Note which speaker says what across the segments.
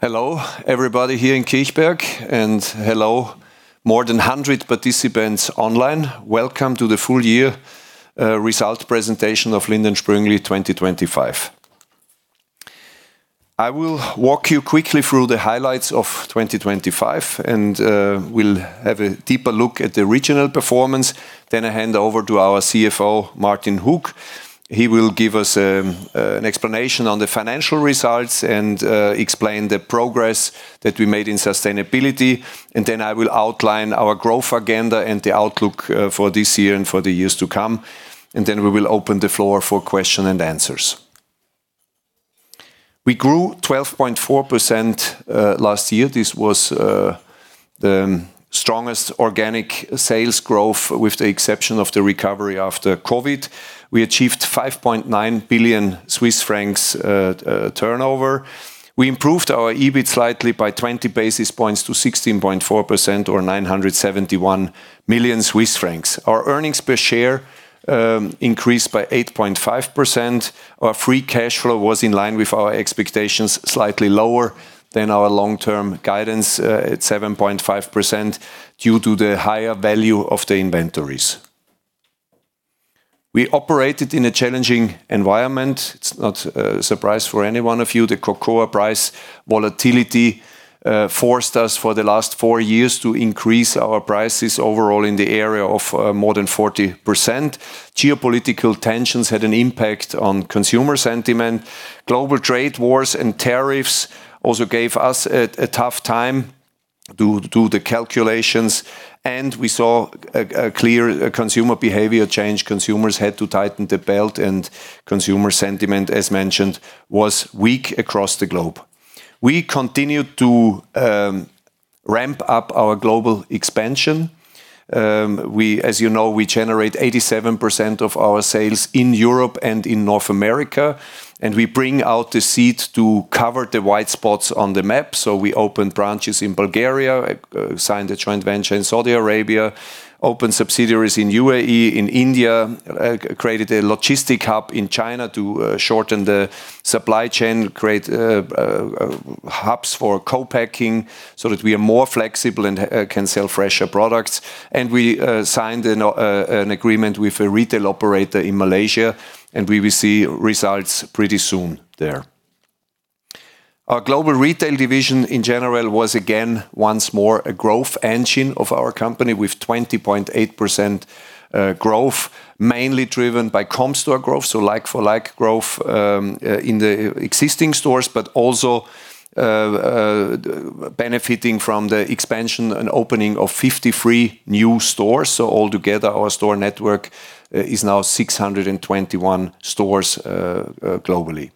Speaker 1: Hello, everybody here in Kilchberg, and hello more than 100 participants online. Welcome to the full year result presentation of Lindt & Sprüngli 2025. I will walk you quickly through the highlights of 2025, and we'll have a deeper look at the regional performance, then I hand over to our CFO, Martin Hug. He will give us an explanation on the financial results and explain the progress that we made in sustainability. Then I will outline our growth agenda and the outlook for this year and for the years to come. Then we will open the floor for question and answers. We grew 12.4% last year. This was the strongest organic sales growth with the exception of the recovery after COVID. We achieved 5.9 billion Swiss francs turnover. We improved our EBIT slightly by 20 basis points to 16.4% or 971 million Swiss francs. Our earnings per share increased by 8.5%. Our free cash flow was in line with our expectations, slightly lower than our long-term guidance at 7.5% due to the higher value of the inventories. We operated in a challenging environment. It's not a surprise for any one of you. The cocoa price volatility forced us for the last four years to increase our prices overall in the area of more than 40%. Geopolitical tensions had an impact on consumer sentiment. Global trade wars and tariffs also gave us a tough time to the calculations, and we saw a clear consumer behavior change. Consumers had to tighten the belt, and consumer sentiment, as mentioned, was weak across the globe. We continued to ramp up our global expansion. We, as you know, we generate 87% of our sales in Europe and in North America, and we branch out to cover the white spots on the map. We opened branches in Bulgaria, signed a joint venture in Saudi Arabia, opened subsidiaries in UAE, in India, created a logistics hub in China to shorten the supply chain, create hubs for co-packing so that we are more flexible and can sell fresher products. We signed an agreement with a retail operator in Malaysia, and we will see results pretty soon there. Our Global Retail division in general was again, once more, a growth engine of our company with 20.8% growth, mainly driven by comp store growth, so like-for-like growth in the existing stores, but also benefiting from the expansion and opening of 53 new stores. All together, our store network is now 621 stores globally.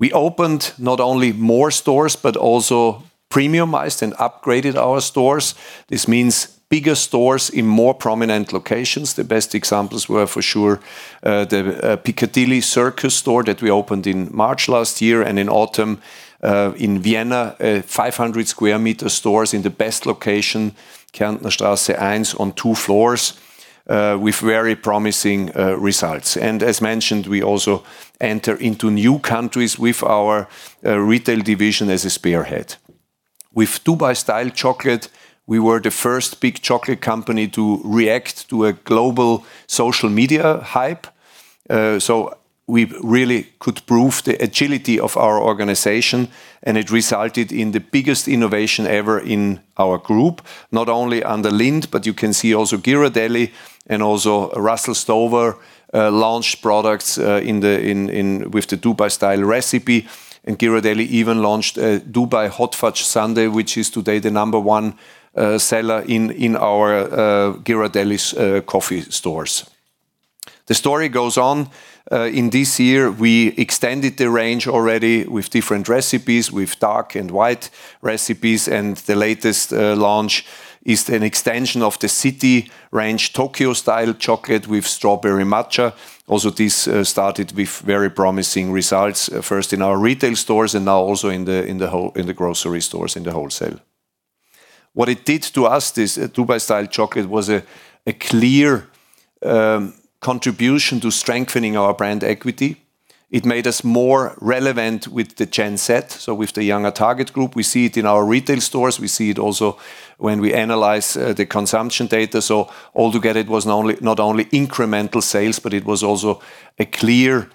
Speaker 1: We opened not only more stores, but also premiumized and upgraded our stores. This means bigger stores in more prominent locations. The best examples were for sure the Piccadilly Circus store that we opened in March last year and in autumn in Vienna 500 square meter stores in the best location, Kärntner Straße 1 on two floors with very promising results. As mentioned, we also enter into new countries with our retail division as a spearhead. With Dubai Style Chocolate, we were the first big chocolate company to react to a global social media hype. We really could prove the agility of our organization, and it resulted in the biggest innovation ever in our group, not only under Lindt, but you can see also Ghirardelli and also Russell Stover launched products with the Dubai-style recipe. Ghirardelli even launched a Dubai Hot Fudge Sundae, which is today the number one seller in our Ghirardelli's coffee stores. The story goes on. In this year, we extended the range already with different recipes, with dark and white recipes, and the latest launch is an extension of the city range Tokyo Style Chocolate with strawberry matcha. Also, this started with very promising results, first in our retail stores and now also in the whole, in the grocery stores, in the wholesale. What it did to us, this Dubai-style chocolate, was a clear contribution to strengthening our brand equity. It made us more relevant with the Gen Z, so with the younger target group. We see it in our retail stores. We see it also when we analyze the consumption data. All together, it was not only incremental sales, but it was also a clear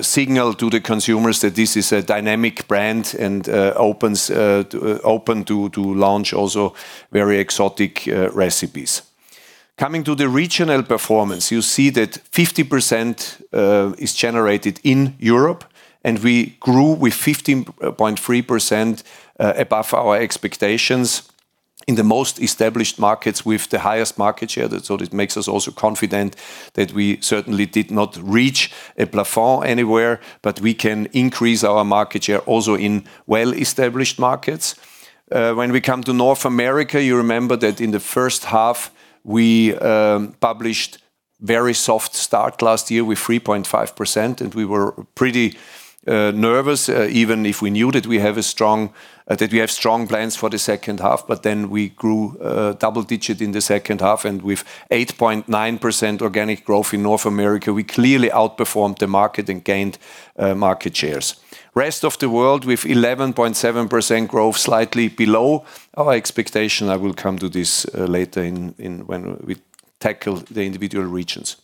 Speaker 1: signal to the consumers that this is a dynamic brand and open to launch also very exotic recipes. Coming to the regional performance, you see that 50% is generated in Europe, and we grew with 15.3% above our expectations in the most established markets with the highest market share. It makes us also confident that we certainly did not reach a plafond anywhere, but we can increase our market share also in well-established markets. When we come to North America, you remember that in the first half we had a very soft start last year with 3.5%, and we were pretty nervous even if we knew that we have strong plans for the H2. Then we grew double-digit in the H2. With 8.9% organic growth in North America, we clearly outperformed the market and gained market shares. Rest of the world with 11.7% growth, slightly below our expectation. I will come to this later when we tackle the individual regions.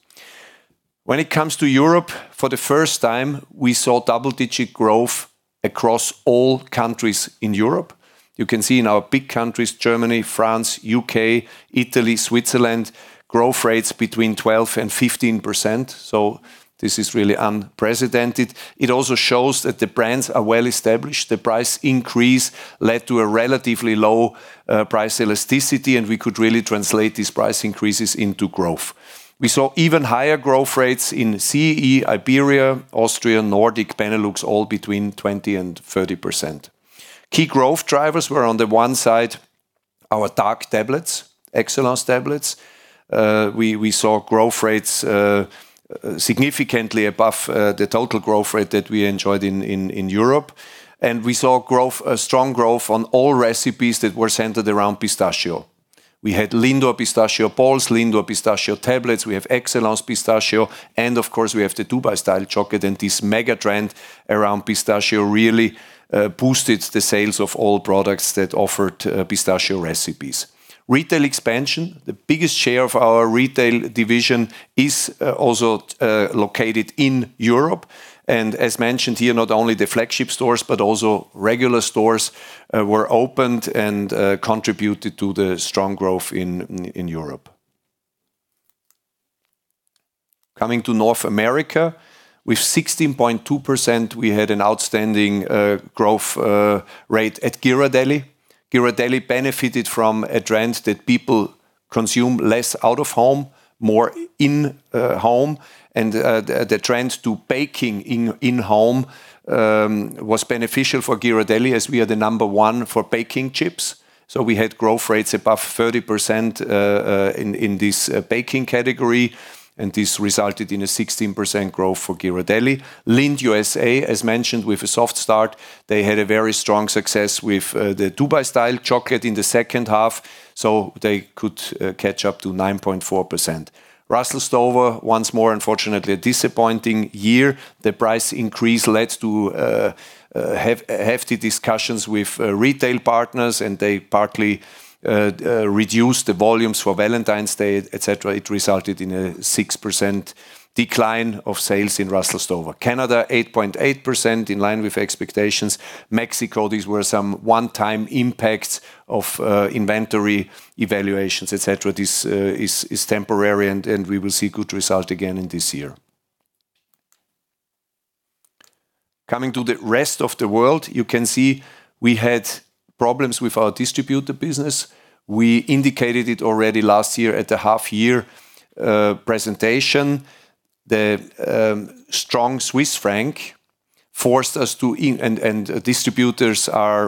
Speaker 1: When it comes to Europe, for the first time, we saw double-digit growth across all countries in Europe. You can see in our big countries, Germany, France, U.K., Italy, Switzerland, growth rates between 12%-15%, so this is really unprecedented. It also shows that the brands are well established. The price increase led to a relatively low price elasticity, and we could really translate these price increases into growth. We saw even higher growth rates in CE, Iberia, Austria, Nordic, Benelux, all between 20%-30%. Key growth drivers were on the one side, our dark tablets, Excellence tablets. We saw growth rates significantly above the total growth rate that we enjoyed in Europe. We saw strong growth on all recipes that were centered around pistachio. We had Lindor pistachio balls, Lindor pistachio tablets. We have Excellence pistachio, and of course, we have the Dubai-style chocolate, and this mega trend around pistachio really boosted the sales of all products that offered pistachio recipes. Retail expansion. The biggest share of our retail division is also located in Europe. As mentioned here, not only the flagship stores, but also regular stores were opened and contributed to the strong growth in Europe. Coming to North America with 16.2%, we had an outstanding growth rate at Ghirardelli. Ghirardelli benefited from a trend that people consume less out of home, more in home. The trend to baking in-home was beneficial for Ghirardelli as we are the number one for baking chips. We had growth rates above 30% in this baking category, and this resulted in a 16% growth for Ghirardelli. Lindt U.S.A., as mentioned, with a soft start. They had a very strong success with the Dubai-style chocolate in the H2, so they could catch up to 9.4%. Russell Stover, once more, unfortunately, a disappointing year. The price increase led to hefty discussions with retail partners, and they partly reduced the volumes for Valentine's Day, et cetera. It resulted in a 6% decline of sales in Russell Stover. Canada, 8.8%, in line with expectations. Mexico, these were some one-time impacts of inventory valuations, et cetera. This is temporary, and we will see good result again in this year. Coming to the rest of the world, you can see we had problems with our distributor business. We indicated it already last year at the half-year presentation. The strong Swiss franc forced us. Distributors are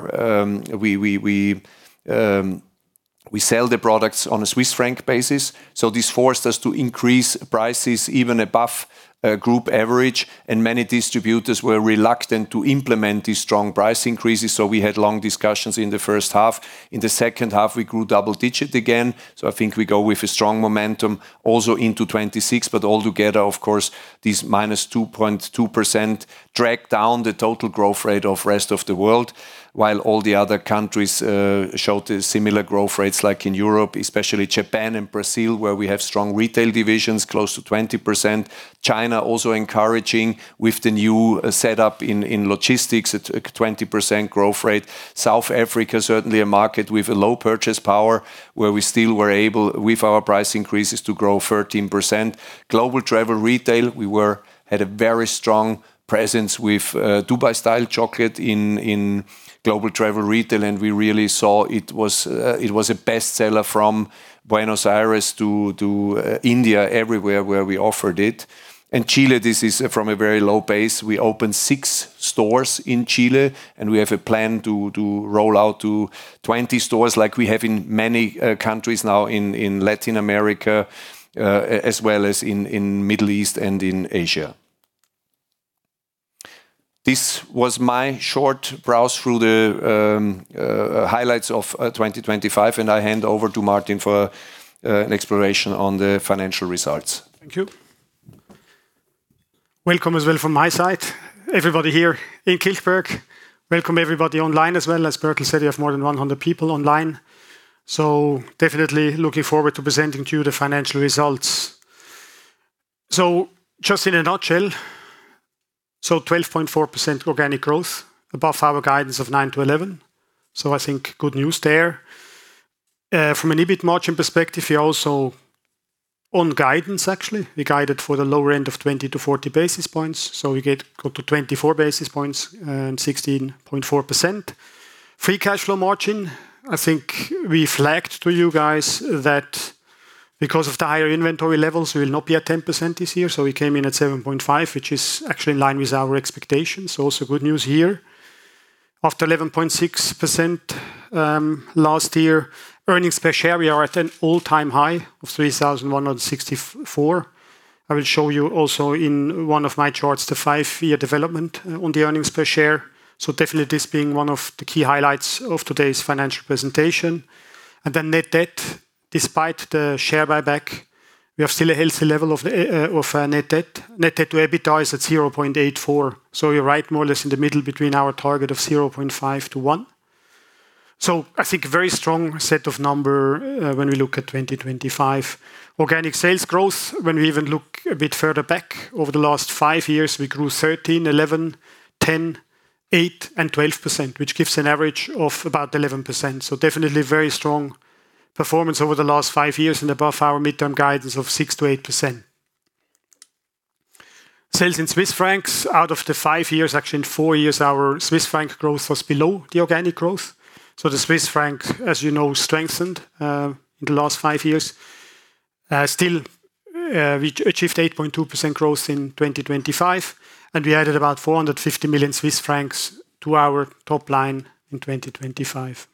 Speaker 1: we sell the products on a Swiss franc basis. This forced us to increase prices even above a group average, and many distributors were reluctant to implement these strong price increases, so we had long discussions in the first half. In the H2, we grew double-digit again, so I think we go with a strong momentum also into 2026. Altogether, of course, this -2.2% dragged down the total growth rate of rest of the world. While all the other countries showed similar growth rates like in Europe, especially Japan and Brazil, where we have strong retail divisions, close to 20%. China also encouraging with the new setup in logistics at a 20% growth rate. South Africa, certainly a market with a low purchasing power, where we still were able, with our price increases, to grow 13%. Global travel retail, we had a very strong presence with Dubai-style chocolate in global travel retail, and we really saw it was a bestseller from Buenos Aires to India, everywhere where we offered it. Chile, this is from a very low base. We opened six stores in Chile, and we have a plan to roll out to 20 stores like we have in many countries now in Latin America, as well as in Middle East and in Asia. This was my short browse through the highlights of 2025, and I hand over to Martin for an exploration on the financial results.
Speaker 2: Thank you. Welcome as well from my side. Everybody here in Kilchberg. Welcome everybody online as well. As Berky said, we have more than 100 people online. Definitely looking forward to presenting to you the financial results. Just in a nutshell, 12.4% organic growth above our guidance of 9%-11%. I think good news there. From an EBIT margin perspective, we're also on guidance, actually. We guided for the lower end of 20-40 basis points, so we get up to 24 basis points and 16.4%. Free cash flow margin, I think we flagged to you guys that because of the higher inventory levels, we will not be at 10% this year. We came in at 7.5%, which is actually in line with our expectations. Also good news here. After 11.6% last year. Earnings per share, we are at an all-time high of 3,164. I will show you also in one of my charts the five-year development on the earnings per share. Definitely this being one of the key highlights of today's financial presentation. Net debt. Despite the share buyback, we have still a healthy level of net debt. Net debt to EBITDA is at 0.84. We're right more or less in the middle between our target of 0.5-1. I think very strong set of numbers when we look at 2025. Organic sales growth, when we even look a bit further back over the last five years, we grew 13%, 11%, 10%, 8%, and 12%, which gives an average of about 11%. Definitely very strong performance over the last five years and above our midterm guidance of 6%-8%. Sales in Swiss francs. Out of the five years, actually in four years, our Swiss franc growth was below the organic growth. The Swiss franc, as you know, strengthened in the last five years. Still, we achieved 8.2% growth in 2025, and we added about 450 million Swiss francs to our top line in 2025.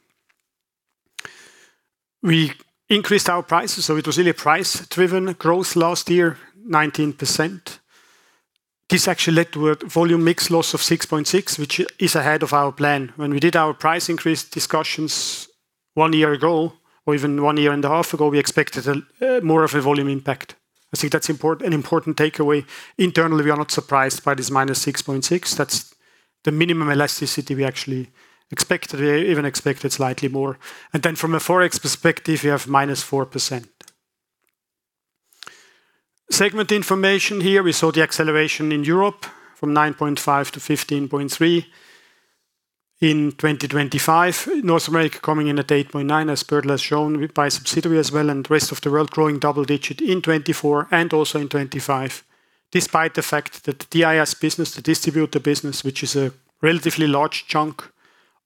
Speaker 2: We increased our prices, so it was really a price-driven growth last year, 19%. This actually led to a volume mix loss of 6.6%, which is ahead of our plan. When we did our price increase discussions one year ago or even one year and a half ago, we expected a more of a volume impact. I think that's an important takeaway. Internally, we are not surprised by this -6.6%. That's the minimum elasticity we actually expected. We even expected slightly more. Then from a Forex perspective, we have -4%. Segment information here. We saw the acceleration in Europe from 9.5% -15.3% in 2025. North America coming in at 8.9%, as Adalbert has shown by subsidiary as well, and rest of the world growing double-digit in 2024 and also in 2025. Despite the fact that the DIS business, the distributor business, which is a relatively large chunk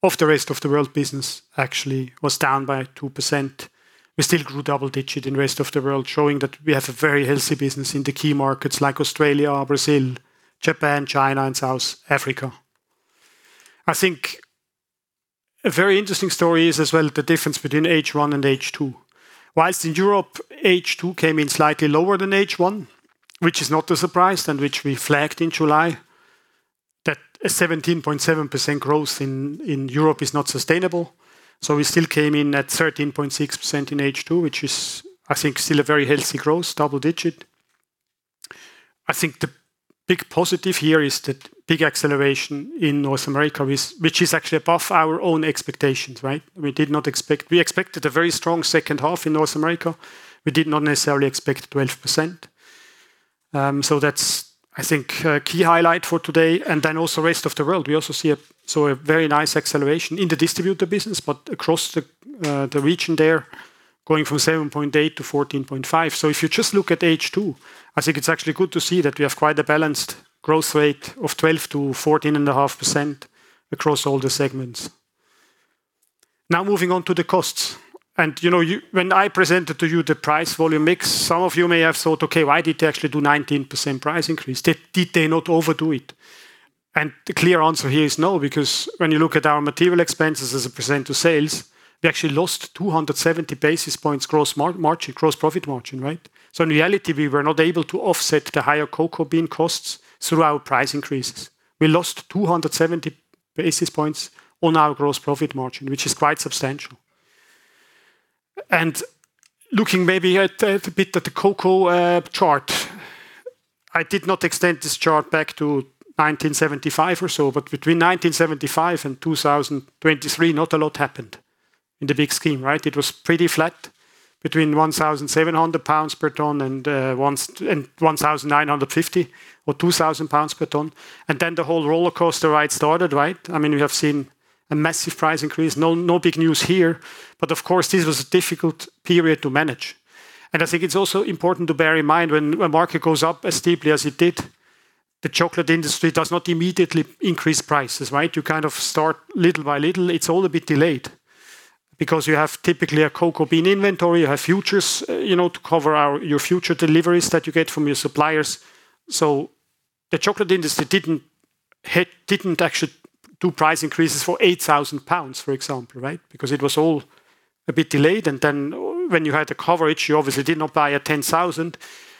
Speaker 2: of the rest of the world business, actually was down by 2%. We still grew double-digit in rest of the world, showing that we have a very healthy business in the key markets like Australia, Brazil, Japan, China and South Africa. I think a very interesting story is as well the difference between H1 and H2. While in Europe, H2 came in slightly lower than H1, which is not a surprise and which we flagged in July, that a 17.7% growth in Europe is not sustainable. We still came in at 13.6% in H2, which is, I think, still a very healthy growth, double-digit. I think the big positive here is the big acceleration in North America, which is actually above our own expectations, right? We expected a very strong H2 in North America. We did not necessarily expect 12%. That's I think a key highlight for today. Also rest of the world. We also saw a very nice acceleration in the distributor business, but across the region there going from 7.8 to 14.5. If you just look at H2, I think it's actually good to see that we have quite a balanced growth rate of 12%-14.5% across all the segments. Now, moving on to the costs. You know, you when I presented to you the price-volume mix, some of you may have thought, "Okay, why did they actually do 19% price increase? Did they not overdo it?" The clear answer here is no, because when you look at our material expenses as a percent of sales, we actually lost 270 basis points gross margin, gross profit margin, right? In reality, we were not able to offset the higher cocoa bean costs through our price increases. We lost 270 basis points on our gross profit margin, which is quite substantial. Looking maybe at a bit at the cocoa chart. I did not extend this chart back to 1975 or so, but between 1975 and 2023, not a lot happened in the big scheme, right? It was pretty flat between 1,700 pounds per ton and one thousand nine hundred and fifty or 2,000 pounds per ton. Then the whole rollercoaster ride started, right? I mean, we have seen a massive price increase. No, no big news here. Of course, this was a difficult period to manage. I think it's also important to bear in mind when a market goes up as steeply as it did, the chocolate industry does not immediately increase prices, right? You kind of start little by little. It's all a bit delayed because you have typically a cocoa bean inventory. You have futures, you know, to cover your future deliveries that you get from your suppliers. The chocolate industry didn't actually do price increases for 8,000 pounds, for example, right? It was all a bit delayed. When you had the coverage, you obviously did not buy at $10,000,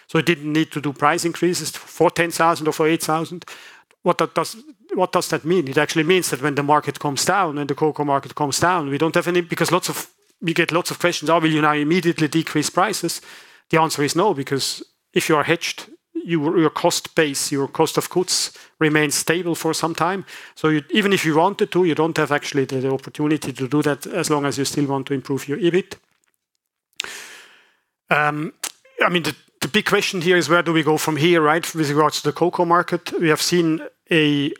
Speaker 2: so it didn't need to do price increases for $10,000 or for $8,000. What does that mean? It actually means that when the market comes down and the cocoa market comes down, we don't have any. We get lots of questions. Oh, will you now immediately decrease prices? The answer is no, because if you are hedged, your cost base, your cost of goods remains stable for some time. Even if you wanted to, you don't actually have the opportunity to do that as long as you still want to improve your EBIT. I mean, the big question here is where do we go from here, right? With regards to the cocoa market. We have seen an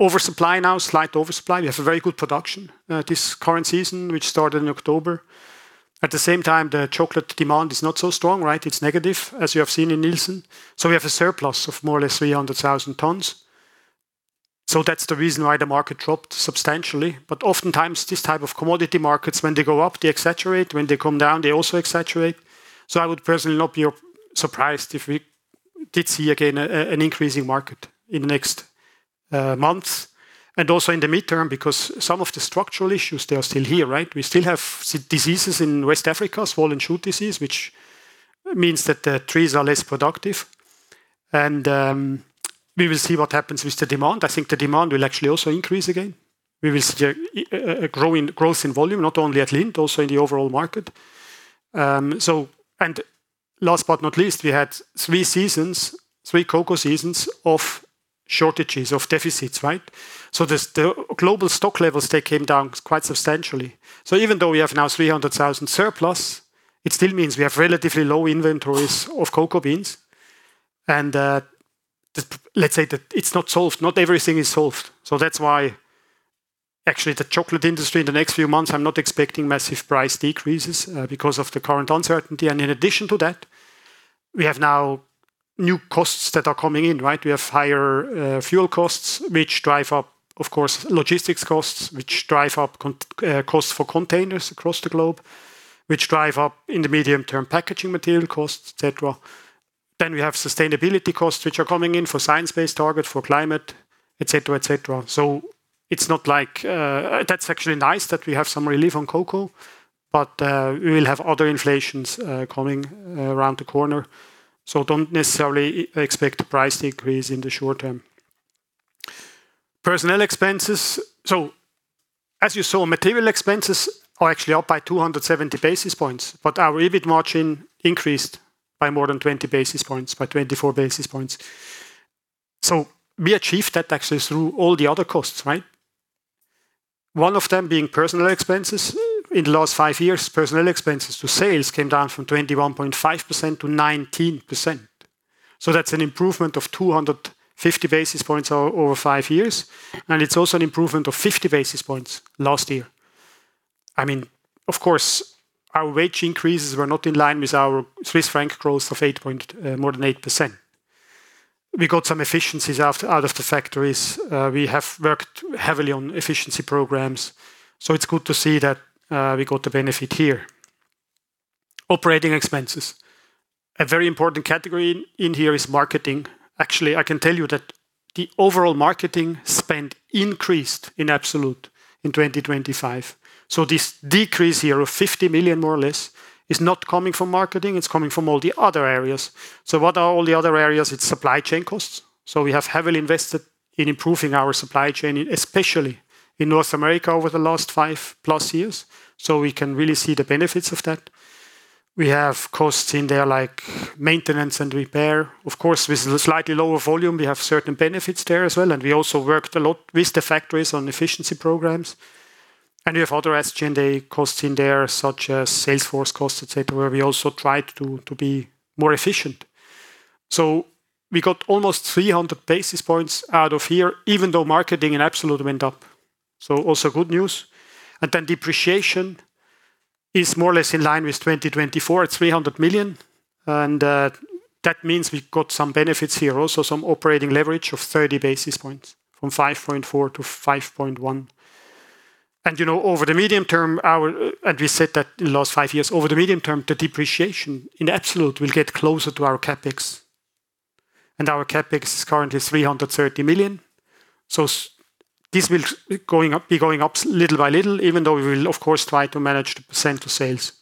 Speaker 2: oversupply now, slight oversupply. We have a very good production, this current season, which started in October. At the same time, the chocolate demand is not so strong, right? It's negative, as you have seen in Nielsen. So we have a surplus of more or less 300,000 tons. So that's the reason why the market dropped substantially. But oftentimes these type of commodity markets, when they go up, they exaggerate. When they come down, they also exaggerate. So I would personally not be surprised if we did see again an increasing market in next months and also in the midterm because some of the structural issues, they are still here, right? We still have diseases in West Africa, swollen shoot disease, which means that the trees are less productive. We will see what happens with the demand. I think the demand will actually also increase again. We will see a growing growth in volume, not only at Lindt, also in the overall market. Last but not least, we had three seasons, three cocoa seasons of shortages, of deficits, right? The global stock levels, they came down quite substantially. Even though we have now 300,000 surplus, it still means we have relatively low inventories of cocoa beans. Let's say that it's not solved. Not everything is solved. That's why actually the chocolate industry in the next few months, I'm not expecting massive price decreases because of the current uncertainty. In addition to that, we have now new costs that are coming in, right? We have higher fuel costs, which drive up, of course, logistics costs, which drive up costs for containers across the globe, which drive up in the medium-term packaging material costs, et cetera. We have sustainability costs which are coming in for Science-Based Target for climate, et cetera, et cetera. It's not like that's actually nice that we have some relief on cocoa, but we will have other inflation coming around the corner. Don't necessarily expect a price decrease in the short term. Personnel expenses. As you saw, material expenses are actually up by 270 basis points, but our EBIT margin increased by more than 20 basis points, by 24 basis points. We achieved that actually through all the other costs, right? One of them being personnel expenses. In the last five years, personnel expenses to sales came down from 21.5%-19%. That's an improvement of 250 basis points over five years, and it's also an improvement of 50 basis points last year. I mean, of course, our wage increases were not in line with our Swiss franc growth of 8%, more than 8%. We got some efficiencies out of the factories. We have worked heavily on efficiency programs, so it's good to see that we got the benefit here. Operating expenses. A very important category in here is marketing. Actually, I can tell you that the overall marketing spend increased in absolute in 2025. This decrease here of 50 million more or less is not coming from marketing, it's coming from all the other areas. What are all the other areas? It's supply chain costs. We have heavily invested in improving our supply chain, especially in North America over the last 5+ years, so we can really see the benefits of that. We have costs in there like maintenance and repair. Of course, with the slightly lower volume, we have certain benefits there as well, and we also worked a lot with the factories on efficiency programs. We have other SG&A costs in there, such as sales force costs, et cetera. We also tried to be more efficient. We got almost 300 basis points out of here, even though marketing in absolute went up. Also good news. Then depreciation is more or less in line with 2024 at 300 million. That means we got some benefits here, also some operating leverage of 30 basis points from 5.4%-5.1%. You know, over the medium term, we said that in the last five years, over the medium term, the depreciation in absolute will get closer to our CapEx. Our CapEx is currently 330 million. This will be going up little by little, even though we will of course try to manage the percent of sales.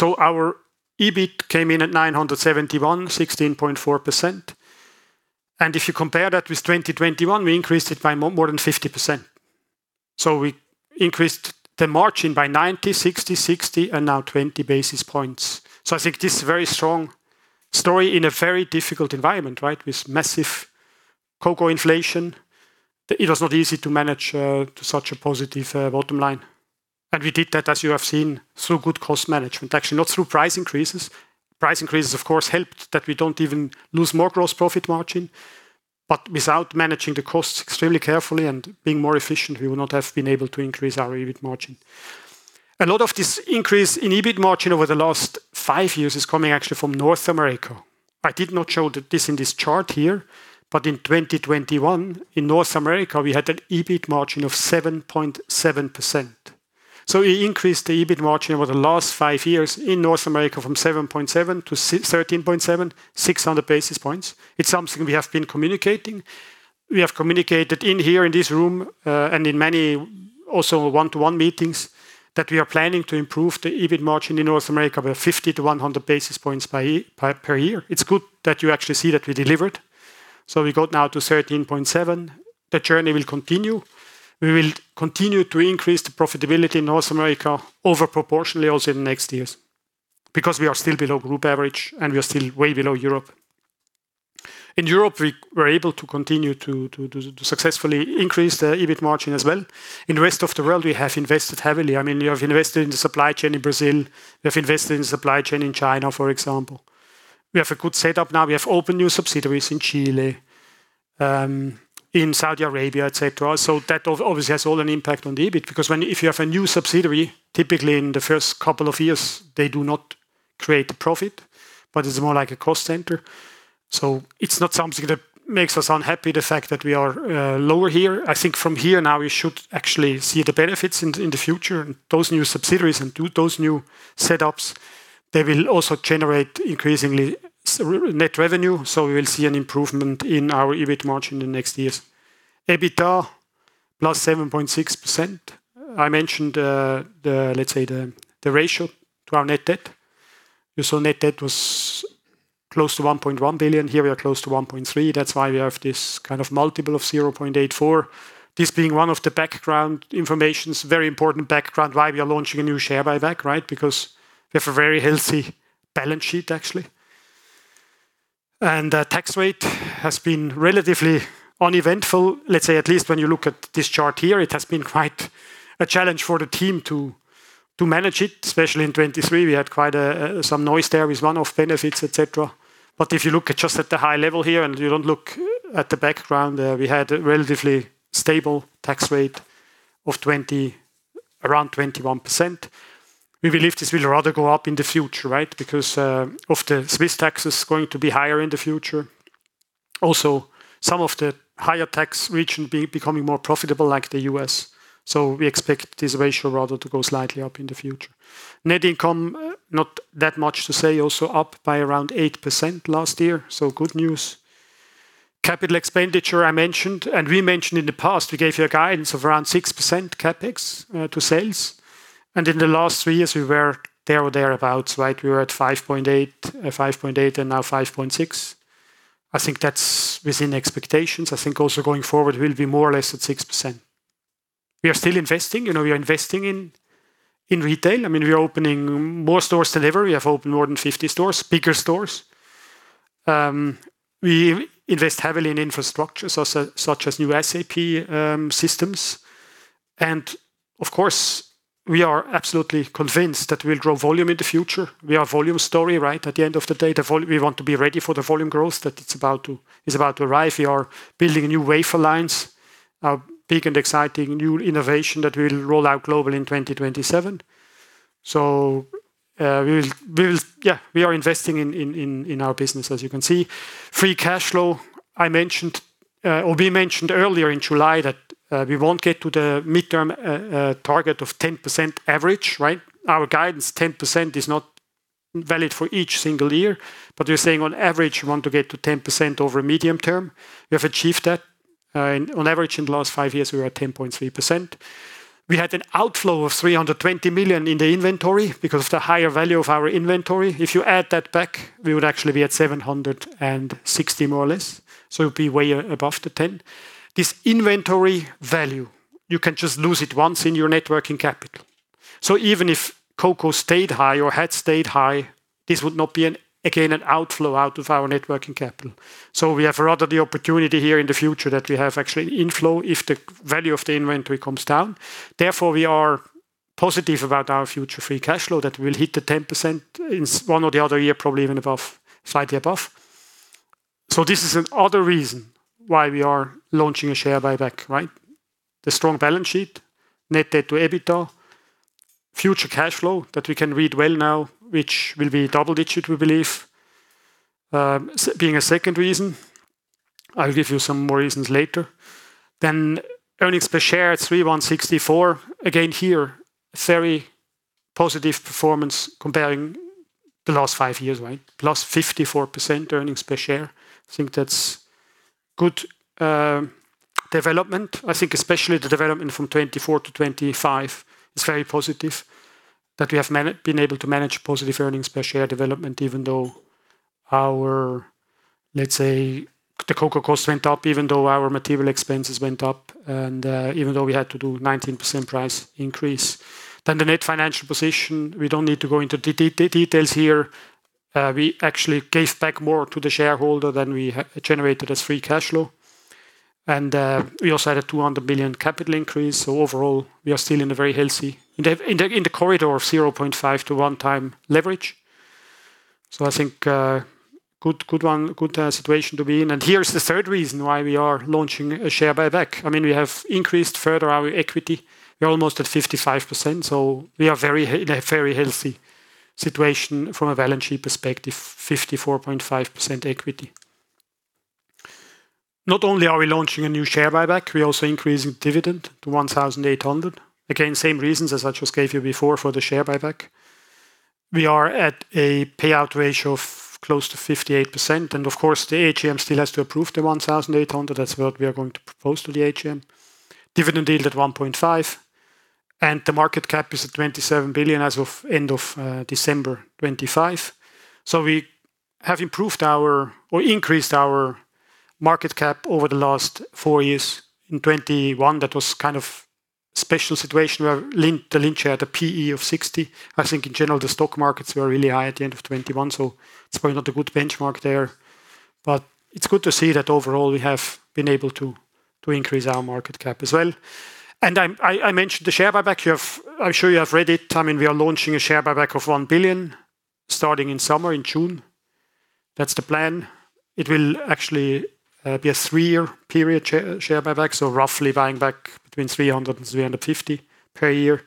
Speaker 2: Our EBIT came in at 971 million, 16.4%. If you compare that with 2021, we increased it by more than 50%. We increased the margin by 90, 60, and now 20 basis points. I think this is a very strong story in a very difficult environment, right, with massive cocoa inflation. It was not easy to manage to such a positive bottom line. We did that, as you have seen, through good cost management, actually not through price increases. Price increases, of course, helped that we don't even lose more gross profit margin. Without managing the costs extremely carefully and being more efficient, we would not have been able to increase our EBIT margin. A lot of this increase in EBIT margin over the last five years is coming actually from North America. I did not show this in this chart here, but in 2021, in North America, we had an EBIT margin of 7.7%. We increased the EBIT margin over the last five years in North America from 7.7% -13.7%, 600 basis points. It's something we have been communicating. We have communicated in here in this room, and in many also one-to-one meetings that we are planning to improve the EBIT margin in North America by 50-100 basis points per year. It's good that you actually see that we delivered. We got now to 13.7%. The journey will continue. We will continue to increase the profitability in North America over proportionally also in the next years because we are still below group average, and we are still way below Europe. In Europe, we're able to continue to successfully increase the EBIT margin as well. In the rest of the world, we have invested heavily. I mean, we have invested in the supply chain in Brazil. We have invested in the supply chain in China, for example. We have a good setup now. We have opened new subsidiaries in Chile, in Saudi Arabia, et cetera. That obviously has had an impact on the EBIT because if you have a new subsidiary, typically in the first couple of years, they do not create profit, but it's more like a cost center. It's not something that makes us unhappy, the fact that we are lower here. I think from here now we should actually see the benefits in the future, and those new subsidiaries and those new setups. They will also generate increasingly net revenue, so we will see an improvement in our EBIT margin in the next years. EBITDA, +7.6%. I mentioned the ratio to our net debt. You saw net debt was close to 1.1 billion. Here we are close to 1.3 billion. That's why we have this kind of multiple of 0.84. This being one of the background informations, very important background, why we are launching a new share buyback, right? Because we have a very healthy balance sheet actually. The tax rate has been relatively uneventful. Let's say at least when you look at this chart here, it has been quite a challenge for the team to manage it, especially in 2023, we had quite some noise there with one-off benefits, et cetera. If you look at just at the high level here, and you don't look at the background, we had a relatively stable tax rate of around 21%. We believe this will rather go up in the future, right? Because of the Swiss tax is going to be higher in the future. Also, some of the higher tax region be becoming more profitable like the U.S. We expect this ratio rather to go slightly up in the future. Net income, not that much to say, also up by around 8% last year. Good news. Capital expenditure, I mentioned and we mentioned in the past, we gave you a guidance of around 6% CapEx to sales. In the last three years we were there or thereabout, right, we were at 5.8, five point eight and now 5.6. I think that's within expectations. I think also going forward, we'll be more or less at 6%. We are still investing. You know, we are investing in retail. I mean, we are opening more stores than ever. We have opened more than 50 stores, bigger stores. We invest heavily in infrastructure, such as new SAP systems. Of course, we are absolutely convinced that we'll grow volume in the future. We are volume story, right? At the end of the day, we want to be ready for the volume growth that is about to arrive. We are building new wafer lines, a big and exciting new innovation that we'll roll out globally in 2027. We are investing in our business, as you can see. Free cash flow, I mentioned, or we mentioned earlier in July that we won't get to the medium term target of 10% average, right? Our guidance, 10% is not valid for each single year, but we're saying on average, we want to get to 10% over medium term. We have achieved that. On average in the last five years, we were at 10.3%. We had an outflow of 320 million in the inventory because of the higher value of our inventory. If you add that back, we would actually be at 760 more or less. It'd be way above the 10. This inventory value, you can just lose it once in your net working capital. Even if cocoa stayed high or had stayed high, this would not be an, again, an outflow out of our net working capital. We have rather the opportunity here in the future that we have actually inflow if the value of the inventory comes down. Therefore, we are positive about our future free cash flow that we'll hit the 10% in one or the other year, probably even above, slightly above. This is another reason why we are launching a share buyback, right? The strong balance sheet, net debt to EBITDA, future cash flow that we can read well now, which will be double-digit, we believe, being a second reason. I'll give you some more reasons later. Earnings per share at 3.164. Again, here, very positive performance comparing the last five years, right? +54% earnings per share. I think that's good development. I think especially the development from 2024 to 2025 is very positive that we have been able to manage positive earnings per share development, even though our, let's say, the cocoa cost went up, even though our material expenses went up and, even though we had to do 19% price increase. The net financial position, we don't need to go into details here. We actually gave back more to the shareholder than we generated as free cash flow. We also had a 200 billion capital increase. Overall, we are still in a very healthy corridor of 0.5-1x leverage. I think good situation to be in. Here is the third reason why we are launching a share buyback. I mean, we have increased further our equity. We're almost at 55%, so we are very in a very healthy situation from a balance sheet perspective, 54.5% equity. Not only are we launching a new share buyback, we're also increasing dividend to 1,800. Again, same reasons as I just gave you before for the share buyback. We are at a payout ratio of close to 58%. Of course, the AGM still has to approve the 1,800. That's what we are going to propose to the AGM. Dividend yield at 1.5%. The market cap is at 27 billion as of end of December 2025. We have increased our market cap over the last four years. In 2021, that was kind of special situation where Lindt had a P/E of 60. I think in general, the stock markets were really high at the end of 2021, so it's probably not a good benchmark there. It's good to see that overall we have been able to increase our market cap as well. I mentioned the share buyback. I'm sure you have read it. I mean, we are launching a share buyback of 1 billion starting in summer, in June. That's the plan. It will actually be a three-year period share buyback, so roughly buying back between 300 million and 350 million per year.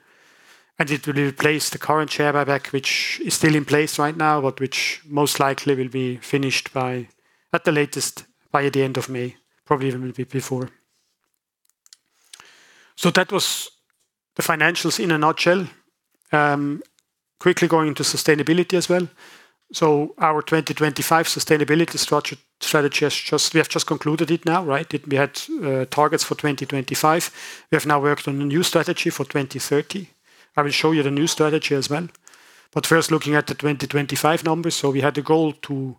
Speaker 2: It will replace the current share buyback which is still in place right now, but which most likely will be finished by, at the latest, by the end of May, probably even will be before. That was the financials in a nutshell. Quickly going to sustainability as well. Our 2025 sustainability structure, strategy we have just concluded it now, right? We had targets for 2025. We have now worked on a new strategy for 2030. I will show you the new strategy as well. First looking at the 2025 numbers. We had a goal to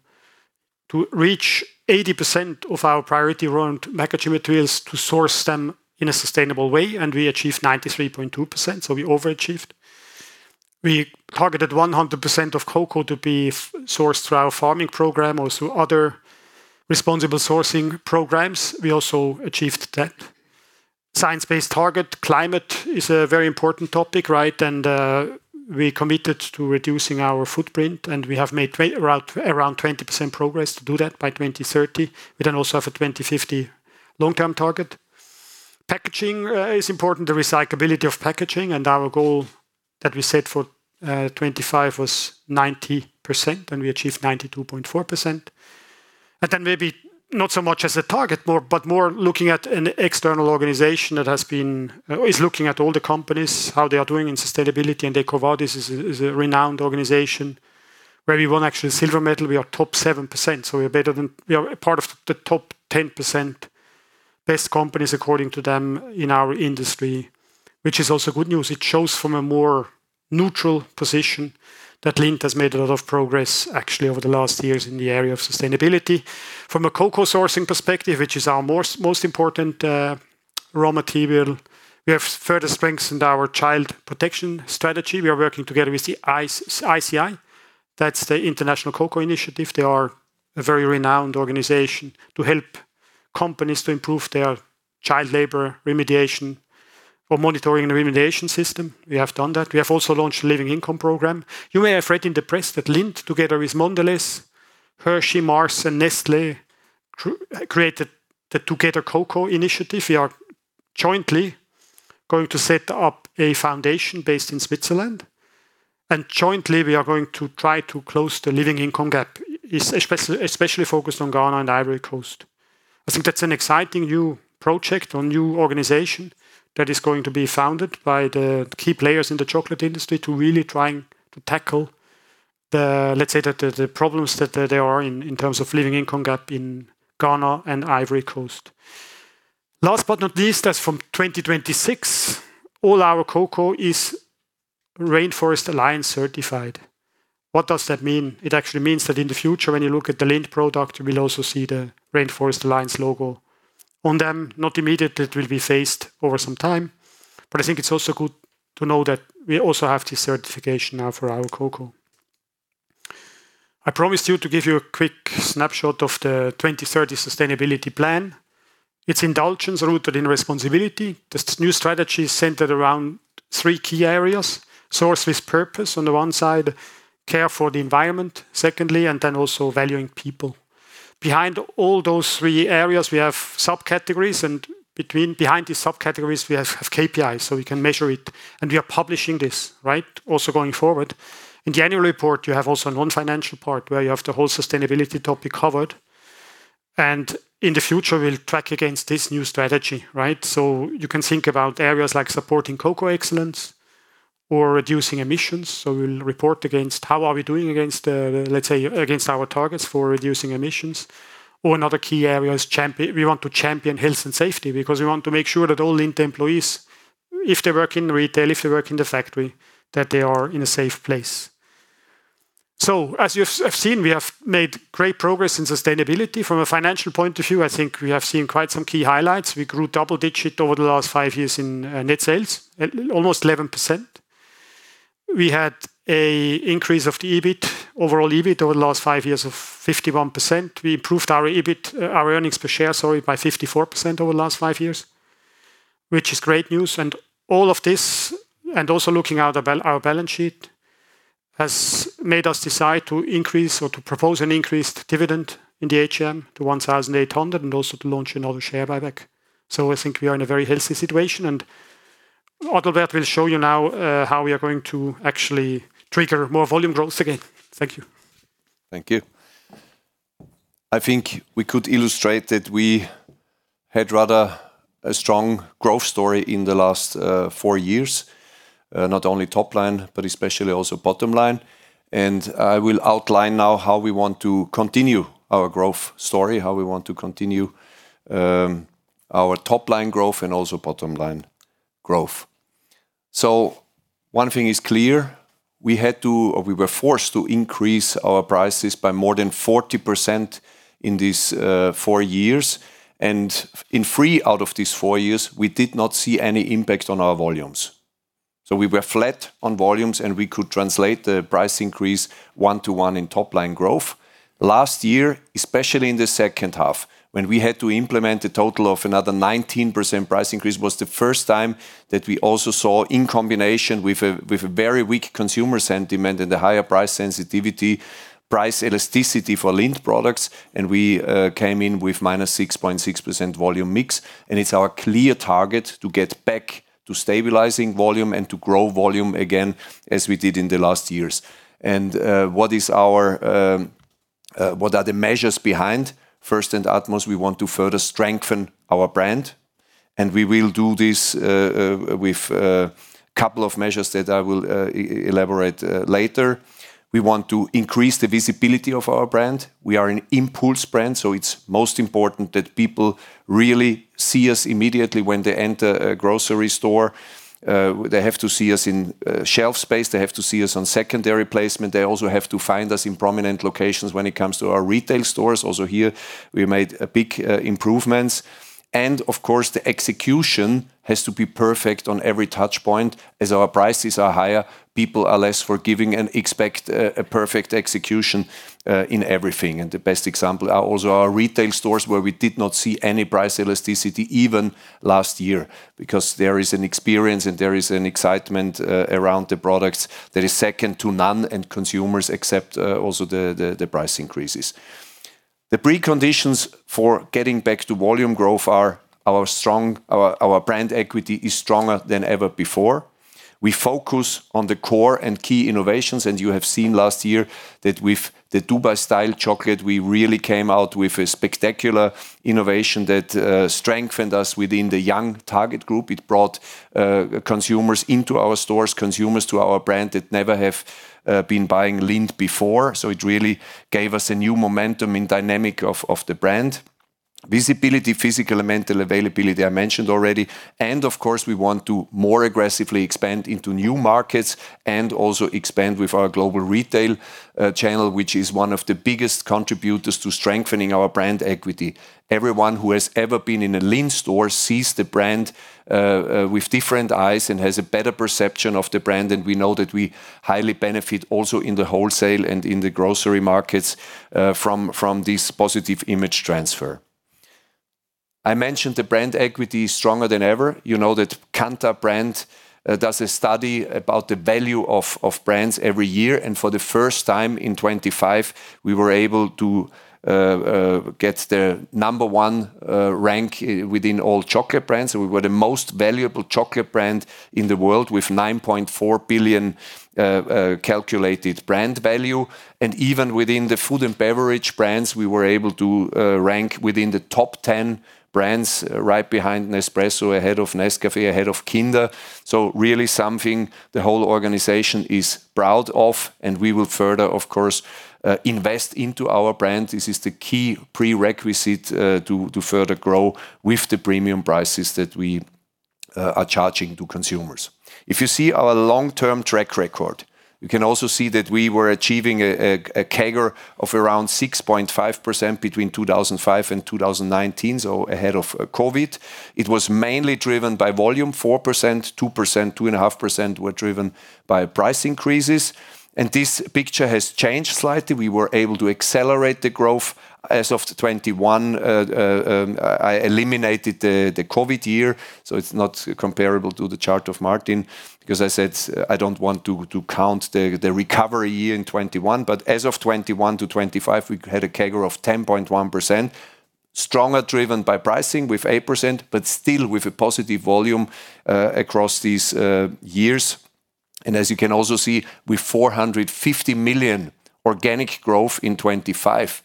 Speaker 2: reach 80% of our priority around packaging materials to source them in a sustainable way, and we achieved 93.2%, so we overachieved. We targeted 100% of cocoa to be farm-sourced through our farming program or through other responsible sourcing programs. We also achieved that. Science-Based Target. Climate is a very important topic, right? We committed to reducing our footprint, and we have made around 20% progress to do that by 2030. We then also have a 2050 long-term target. Packaging is important, the recyclability of packaging, and our goal that we set for 2025 was 90%, and we achieved 92.4%. Maybe not so much as a target more, but more looking at an external organization that is looking at all the companies, how they are doing in sustainability. EcoVadis is a renowned organization where we won actually a silver medal. We are top 7%, so we are better than we are a part of the top 10% best companies according to them in our industry, which is also good news. It shows from a more neutral position that Lindt has made a lot of progress actually over the last years in the area of sustainability. From a cocoa sourcing perspective, which is our most important raw material, we have further strengthened our child protection strategy. We are working together with the ICI. That's the International Cocoa Initiative. They are a very renowned organization to help companies to improve their child labor remediation or monitoring and remediation system. We have done that. We have also launched a living income program. You may have read in the press that Lindt, together with Mondelez, Hershey, Mars, and Nestlé, created the TogetherCocoa. We are jointly going to set up a foundation based in Switzerland. Jointly, we are going to try to close the living income gap, especially focused on Ghana and Ivory Coast. I think that's an exciting new project or new organization that is going to be founded by the key players in the chocolate industry to really trying to tackle the, let's say, problems that there are in terms of living income gap in Ghana and Ivory Coast. Last but not least, as from 2026, all our cocoa is Rainforest Alliance certified. What does that mean? It actually means that in the future, when you look at the Lindt product, you will also see the Rainforest Alliance logo on them. Not immediately. It will be phased over some time. But I think it's also good to know that we also have this certification now for our cocoa. I promised you to give you a quick snapshot of the 2030 sustainability plan. It's indulgence rooted in responsibility. This new strategy is centered around three key areas, source with purpose on the one side, care for the environment, secondly, and then also valuing people. Behind all those three areas, we have subcategories, and behind these subcategories, we have KPIs, so we can measure it. We are publishing this, right? Also going forward. In the annual report, you have also a non-financial part where you have the whole sustainability topic covered. In the future, we'll track against this new strategy, right? You can think about areas like supporting cocoa excellence or reducing emissions. We'll report against how we are doing against, let's say, against our targets for reducing emissions. Or another key area is we want to champion health and safety because we want to make sure that all Lindt employees, if they work in retail, if they work in the factory, that they are in a safe place. As you have seen, we have made great progress in sustainability. From a financial point of view, I think we have seen quite some key highlights. We grew double-digit over the last 5 years in net sales, at almost 11%. We had an increase of the EBIT, overall EBIT over the last five years of 51%. We improved our EBIT, our earnings per share, sorry, by 54% over the last five years, which is great news. All of this, and also looking at our balance sheet, has made us decide to increase or to propose an increased dividend in the AGM to 1,800 and also to launch another share buyback. I think we are in a very healthy situation. Adalbert Lechner will show you now, how we are going to actually trigger more volume growth again. Thank you.
Speaker 1: Thank you. I think we could illustrate that we had rather a strong growth story in the last four years, not only top line, but especially also bottom line. I will outline now how we want to continue our growth story, how we want to continue our top line growth and also bottom line growth. One thing is clear. We had to, or we were forced to increase our prices by more than 40% in these four years. In three out of these four years, we did not see any impact on our volumes. We were flat on volumes, and we could translate the price increase one-to-one in top line growth. Last year, especially in the H2, when we had to implement a total of another 19% price increase, was the first time that we also saw in combination with a very weak consumer sentiment and the higher price sensitivity, price elasticity for Lindt products, and we came in with -6.6% volume mix. It's our clear target to get back to stabilizing volume and to grow volume again as we did in the last years. What are the measures behind? First and utmost, we want to further strengthen our brand, and we will do this with a couple of measures that I will elaborate later. We want to increase the visibility of our brand. We are an impulse brand, so it's most important that people really see us immediately when they enter a grocery store. They have to see us in shelf space. They have to see us on secondary placement. They also have to find us in prominent locations when it comes to our retail stores. Here we made big improvements. Of course, the execution has to be perfect on every touch point. As our prices are higher, people are less forgiving and expect a perfect execution in everything. The best example are also our retail stores where we did not see any price elasticity even last year because there is an experience and there is an excitement around the products that is second to none and consumers accept also the price increases. The preconditions for getting back to volume growth are our brand equity is stronger than ever before. We focus on the core and key innovations, and you have seen last year that with the Dubai-style chocolate, we really came out with a spectacular innovation that strengthened us within the young target group. It brought consumers into our stores, consumers to our brand that never have been buying Lindt before. It really gave us a new momentum and dynamic of the brand. Visibility, physical and mental availability, I mentioned already. Of course, we want to more aggressively expand into new markets and also expand with our Global Retail channel, which is one of the biggest contributors to strengthening our brand equity. Everyone who has ever been in a Lindt store sees the brand with different eyes and has a better perception of the brand, and we know that we highly benefit also in the wholesale and in the grocery markets from this positive image transfer. I mentioned the brand equity is stronger than ever. You know that Kantar BrandZ does a study about the value of brands every year, and for the first time in 25 years we were able to get the number one rank within all chocolate brands. We were the most valuable chocolate brand in the world with $9.4 billion calculated brand value. Even within the food and beverage brands, we were able to rank within the top ten brands right behind Nespresso, ahead of Nescafé, ahead of Kinder. Really something the whole organization is proud of, and we will further, of course, invest into our brand. This is the key prerequisite to further grow with the premium prices that we are charging to consumers. If you see our long-term track record, you can also see that we were achieving a CAGR of around 6.5% between 2005 and 2019, so ahead of COVID. It was mainly driven by volume, 4%, 2%, 2.5% were driven by price increases. This picture has changed slightly. We were able to accelerate the growth as of 2021. I eliminated the COVID year, so it's not comparable to the chart of Martin because I said I don't want to count the recovery year in 2021. As of 2021 to 2025, we had a CAGR of 10.1%. Stronger driven by pricing with 8%, but still with a positive volume across these years. As you can also see, with 450 million organic growth in 2025,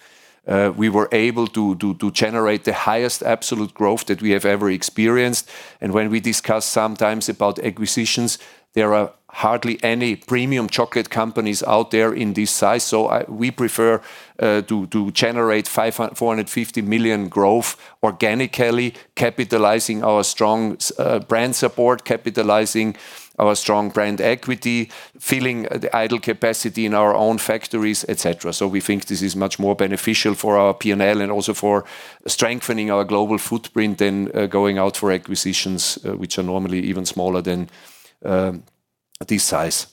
Speaker 1: we were able to generate the highest absolute growth that we have ever experienced. When we discuss sometimes about acquisitions, there are hardly any premium chocolate companies out there in this size. We prefer to generate 450 million growth organically, capitalizing our strong brand support, capitalizing our strong brand equity, filling the idle capacity in our own factories, et cetera. We think this is much more beneficial for our P&L and also for strengthening our global footprint than going out for acquisitions, which are normally even smaller than this size.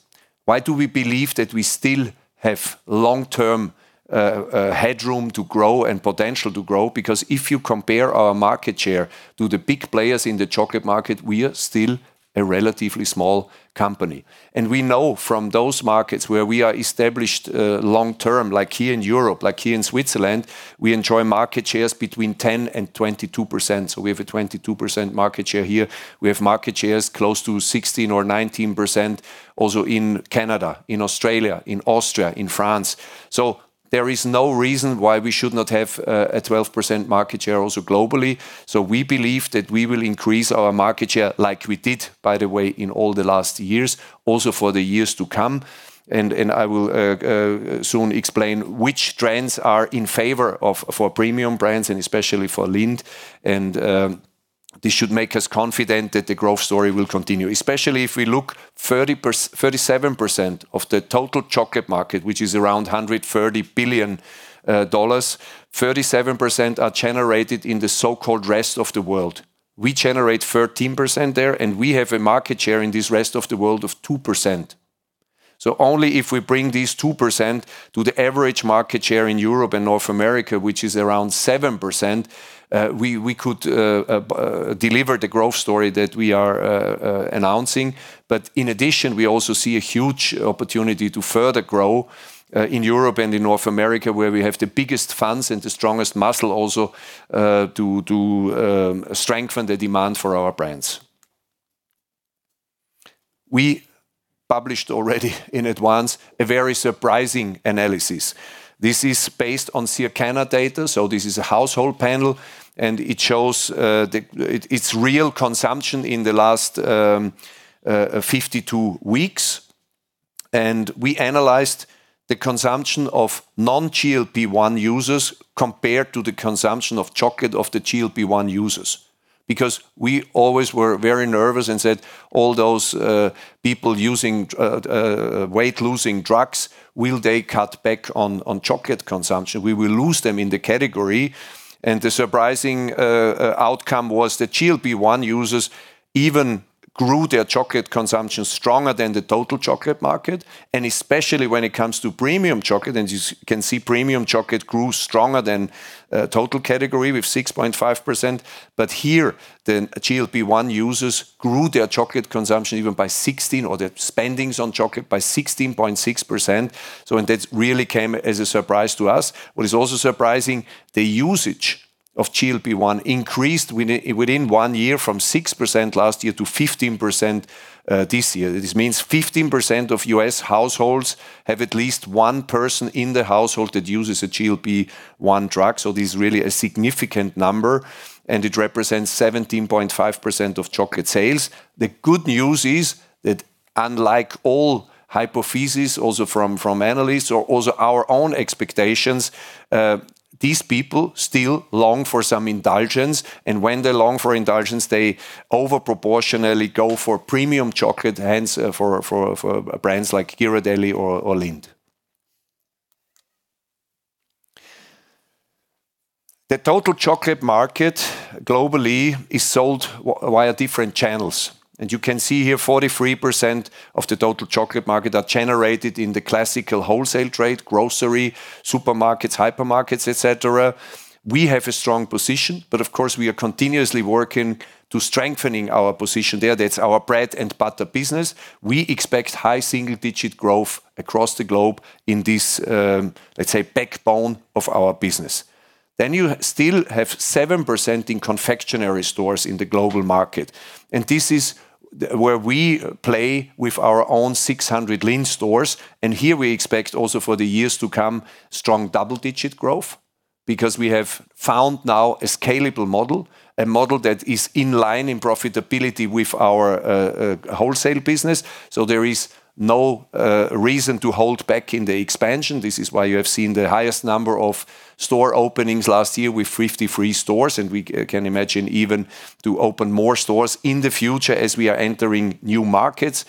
Speaker 1: Why do we believe that we still have long-term headroom to grow and potential to grow? Because if you compare our market share to the big players in the chocolate market, we are still a relatively small company. We know from those markets where we are established long-term, like here in Europe, like here in Switzerland, we enjoy market shares between 10%-22%. We have a 22% market share here. We have market shares close to 16% or 19% also in Canada, in Australia, in Austria, in France. There is no reason why we should not have a 12% market share also globally. We believe that we will increase our market share like we did, by the way, in all the last years, also for the years to come. I will soon explain which trends are in favor of premium brands and especially for Lindt. This should make us confident that the growth story will continue, especially if we look 37% of the total chocolate market, which is around $130 billion. 37% are generated in the so-called rest of the world. We generate 13% there, and we have a market share in this rest of the world of 2%. Only if we bring these 2% to the average market share in Europe and North America, which is around 7%, we could deliver the growth story that we are announcing. In addition, we also see a huge opportunity to further grow in Europe and in North America, where we have the biggest fans and the strongest muscle also to strengthen the demand for our brands. We published already in advance a very surprising analysis. This is based on Circana data, so this is a household panel, and it shows it's real consumption in the last 52 weeks. We analyzed the consumption of non-GLP-1 users compared to the consumption of chocolate of the GLP-1 users. Because we always were very nervous and said all those people using weight-losing drugs, will they cut back on chocolate consumption? We will lose them in the category. The surprising outcome was that GLP-1 users even grew their chocolate consumption stronger than the total chocolate market, and especially when it comes to premium chocolate. You can see premium chocolate grew stronger than total category with 6.5%. Here, the GLP-1 users grew their chocolate consumption even by 16, or their spending on chocolate by 16.6%. That really came as a surprise to us. What is also surprising, the usage of GLP-1 increased within one year from 6% last year to 15% this year. This means 15% of U.S. households have at least one person in the household that uses a GLP-1 drug, so this is really a significant number, and it represents 17.5% of chocolate sales. The good news is that unlike all hypotheses, also from analysts or also our own expectations, these people still long for some indulgence, and when they long for indulgence, they disproportionately go for premium chocolate, hence, for brands like Ghirardelli or Lindt. The total chocolate market globally is sold via different channels, and you can see here 43% of the total chocolate market are generated in the classical wholesale trade, grocery, supermarkets, hypermarkets, et cetera. We have a strong position, but of course we are continuously working to strengthening our position there. That's our bread and butter business. We expect high single-digit growth across the globe in this, let's say, backbone of our business. You still have 7% in confectionery stores in the global market, and this is where we play with our own 600 Lindt stores. Here we expect also for the years to come, strong double-digit growth, because we have found now a scalable model, a model that is in line in profitability with our wholesale business. There is no reason to hold back in the expansion. This is why you have seen the highest number of store openings last year with 53 stores, and we can imagine even to open more stores in the future as we are entering new markets.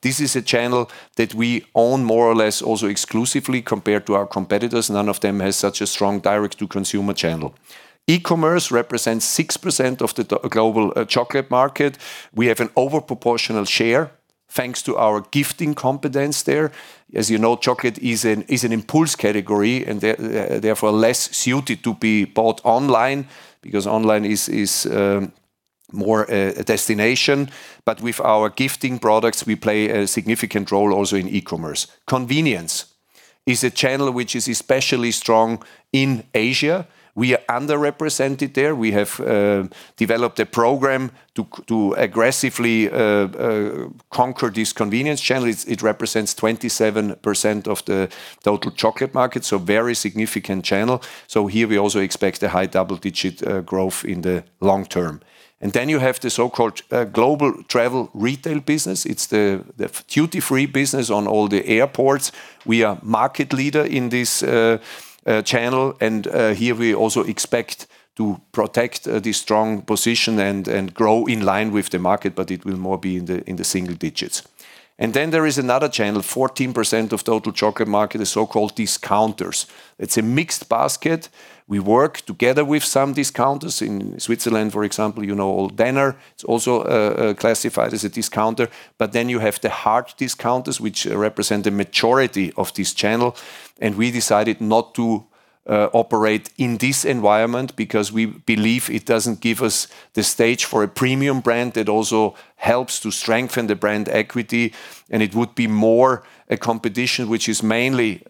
Speaker 1: This is a channel that we own more or less also exclusively compared to our competitors. None of them has such a strong direct-to-consumer channel. E-commerce represents 6% of the total global chocolate market. We have an over proportional share thanks to our gifting competence there. As you know, chocolate is an impulse category and therefore less suited to be bought online because online is more a destination. But with our gifting products, we play a significant role also in e-commerce. Convenience is a channel which is especially strong in Asia. We are underrepresented there. We have developed a program to aggressively conquer this convenience channel. It represents 27% of the total chocolate market, so very significant channel. Here we also expect a high double-digit growth in the long term. You have the so-called global travel retail business. It's the duty-free business on all the airports. We are market leader in this channel, and here we also expect to protect the strong position and grow in line with the market, but it will more be in the single digits. There is another channel. 14% of total chocolate market is so-called discounters. It's a mixed basket. We work together with some discounters. In Switzerland, for example, you know Denner. It's also classified as a discounter. You have the hard discounters, which represent the majority of this channel, and we decided not to operate in this environment because we believe it doesn't give us the stage for a premium brand that also helps to strengthen the brand equity, and it would be more a competition which is mainly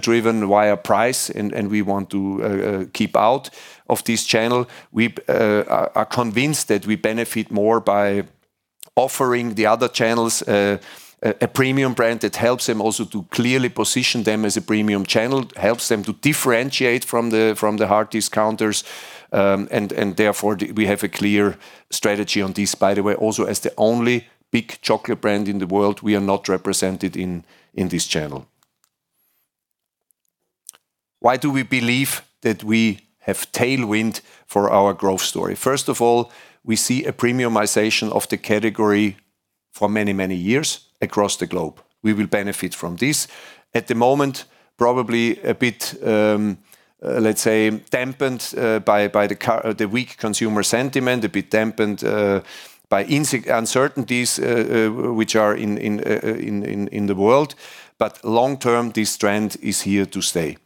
Speaker 1: driven via price and we want to keep out of this channel. We are convinced that we benefit more by offering the other channels a premium brand that helps them also to clearly position them as a premium channel, helps them to differentiate from the hard discounters. We have a clear strategy on this. By the way, also as the only big chocolate brand in the world, we are not represented in this channel. Why do we believe that we have tailwind for our growth story? First of all, we see a premiumization of the category for many, many years across the globe. We will benefit from this. At the moment, probably a bit, let's say, dampened by the weak consumer sentiment, a bit dampened by uncertainties which are in the world, but long term, this trend is here to stay.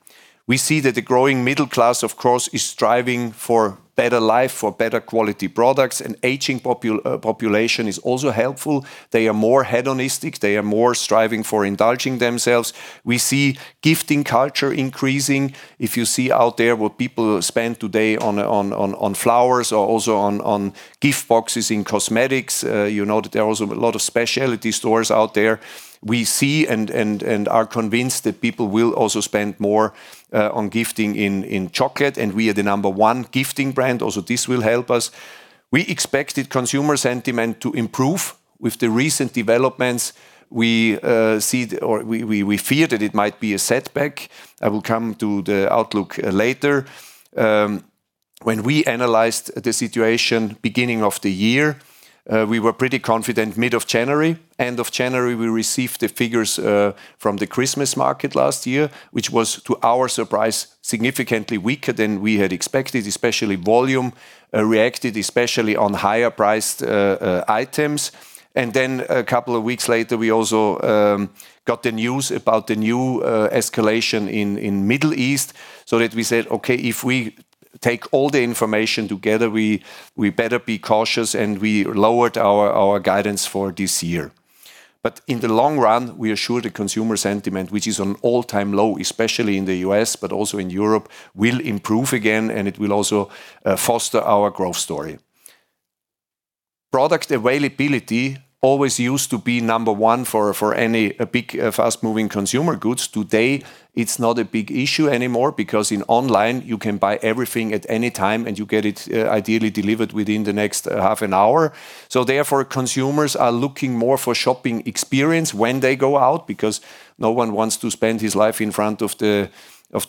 Speaker 1: We see that the growing middle class, of course, is striving for better life, for better quality products. An aging population is also helpful. They are more hedonistic. They are more striving for indulging themselves. We see gifting culture increasing. If you see out there what people spend today on flowers or also on gift boxes in cosmetics, you know that there are also a lot of specialty stores out there. We see and are convinced that people will also spend more on gifting in chocolate, and we are the number one gifting brand, also this will help us. We expected consumer sentiment to improve with the recent developments. We see or we fear that it might be a setback. I will come to the outlook later. When we analyzed the situation beginning of the year, we were pretty confident mid of January. End of January, we received the figures from the Christmas market last year, which was, to our surprise, significantly weaker than we had expected, especially volume reacted espe cially on higher-priced items. Then a couple of weeks later, we also got the news about the new escalation in the Middle East, so that we said, "Okay, if we take all the information together, we better be cautious," and we lowered our guidance for this year. In the long run, we are sure the consumer sentiment, which is at an all-time low, especially in the U.S., but also in Europe, will improve again, and it will also foster our growth story. Product availability always used to be number one for any big fast-moving consumer goods. Today, it's not a big issue anymore because in online you can buy everything at any time, and you get it, ideally delivered within the next half an hour. Therefore, consumers are looking more for shopping experience when they go out because no one wants to spend his life in front of the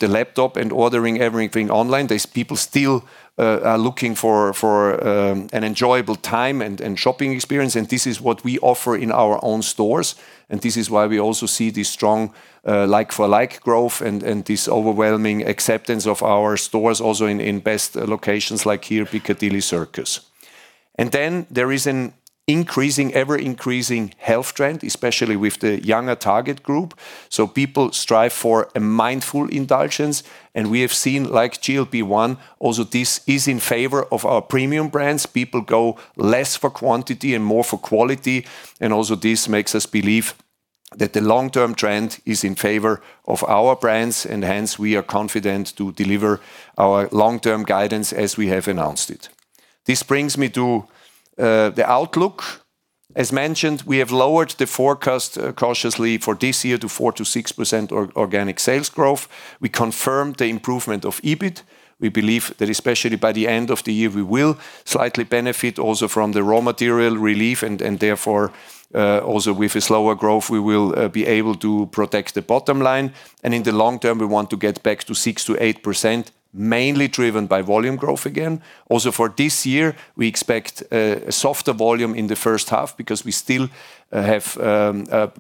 Speaker 1: laptop and ordering everything online. There's people still looking for an enjoyable time and shopping experience, and this is what we offer in our own stores and this is why we also see the strong like-for-like growth and this overwhelming acceptance of our stores also in best locations like here, Piccadilly Circus. Then there is an increasing, ever-increasing health trend, especially with the younger target group, so people strive for a mindful indulgence. We have seen like GLP-1, also this is in favor of our premium brands. People go less for quantity and more for quality, and also this makes us believe that the long-term trend is in favor of our brands and hence we are confident to deliver our long-term guidance as we have announced it. This brings me to the outlook. As mentioned, we have lowered the forecast cautiously for this year to 4%-6% organic sales growth. We confirmed the improvement of EBIT. We believe that especially by the end of the year, we will slightly benefit also from the raw material relief and therefore also with a slower growth, we will be able to protect the bottom line. In the long term, we want to get back to 6%-8%, mainly driven by volume growth again. Also for this year, we expect a softer volume in the first half because we still have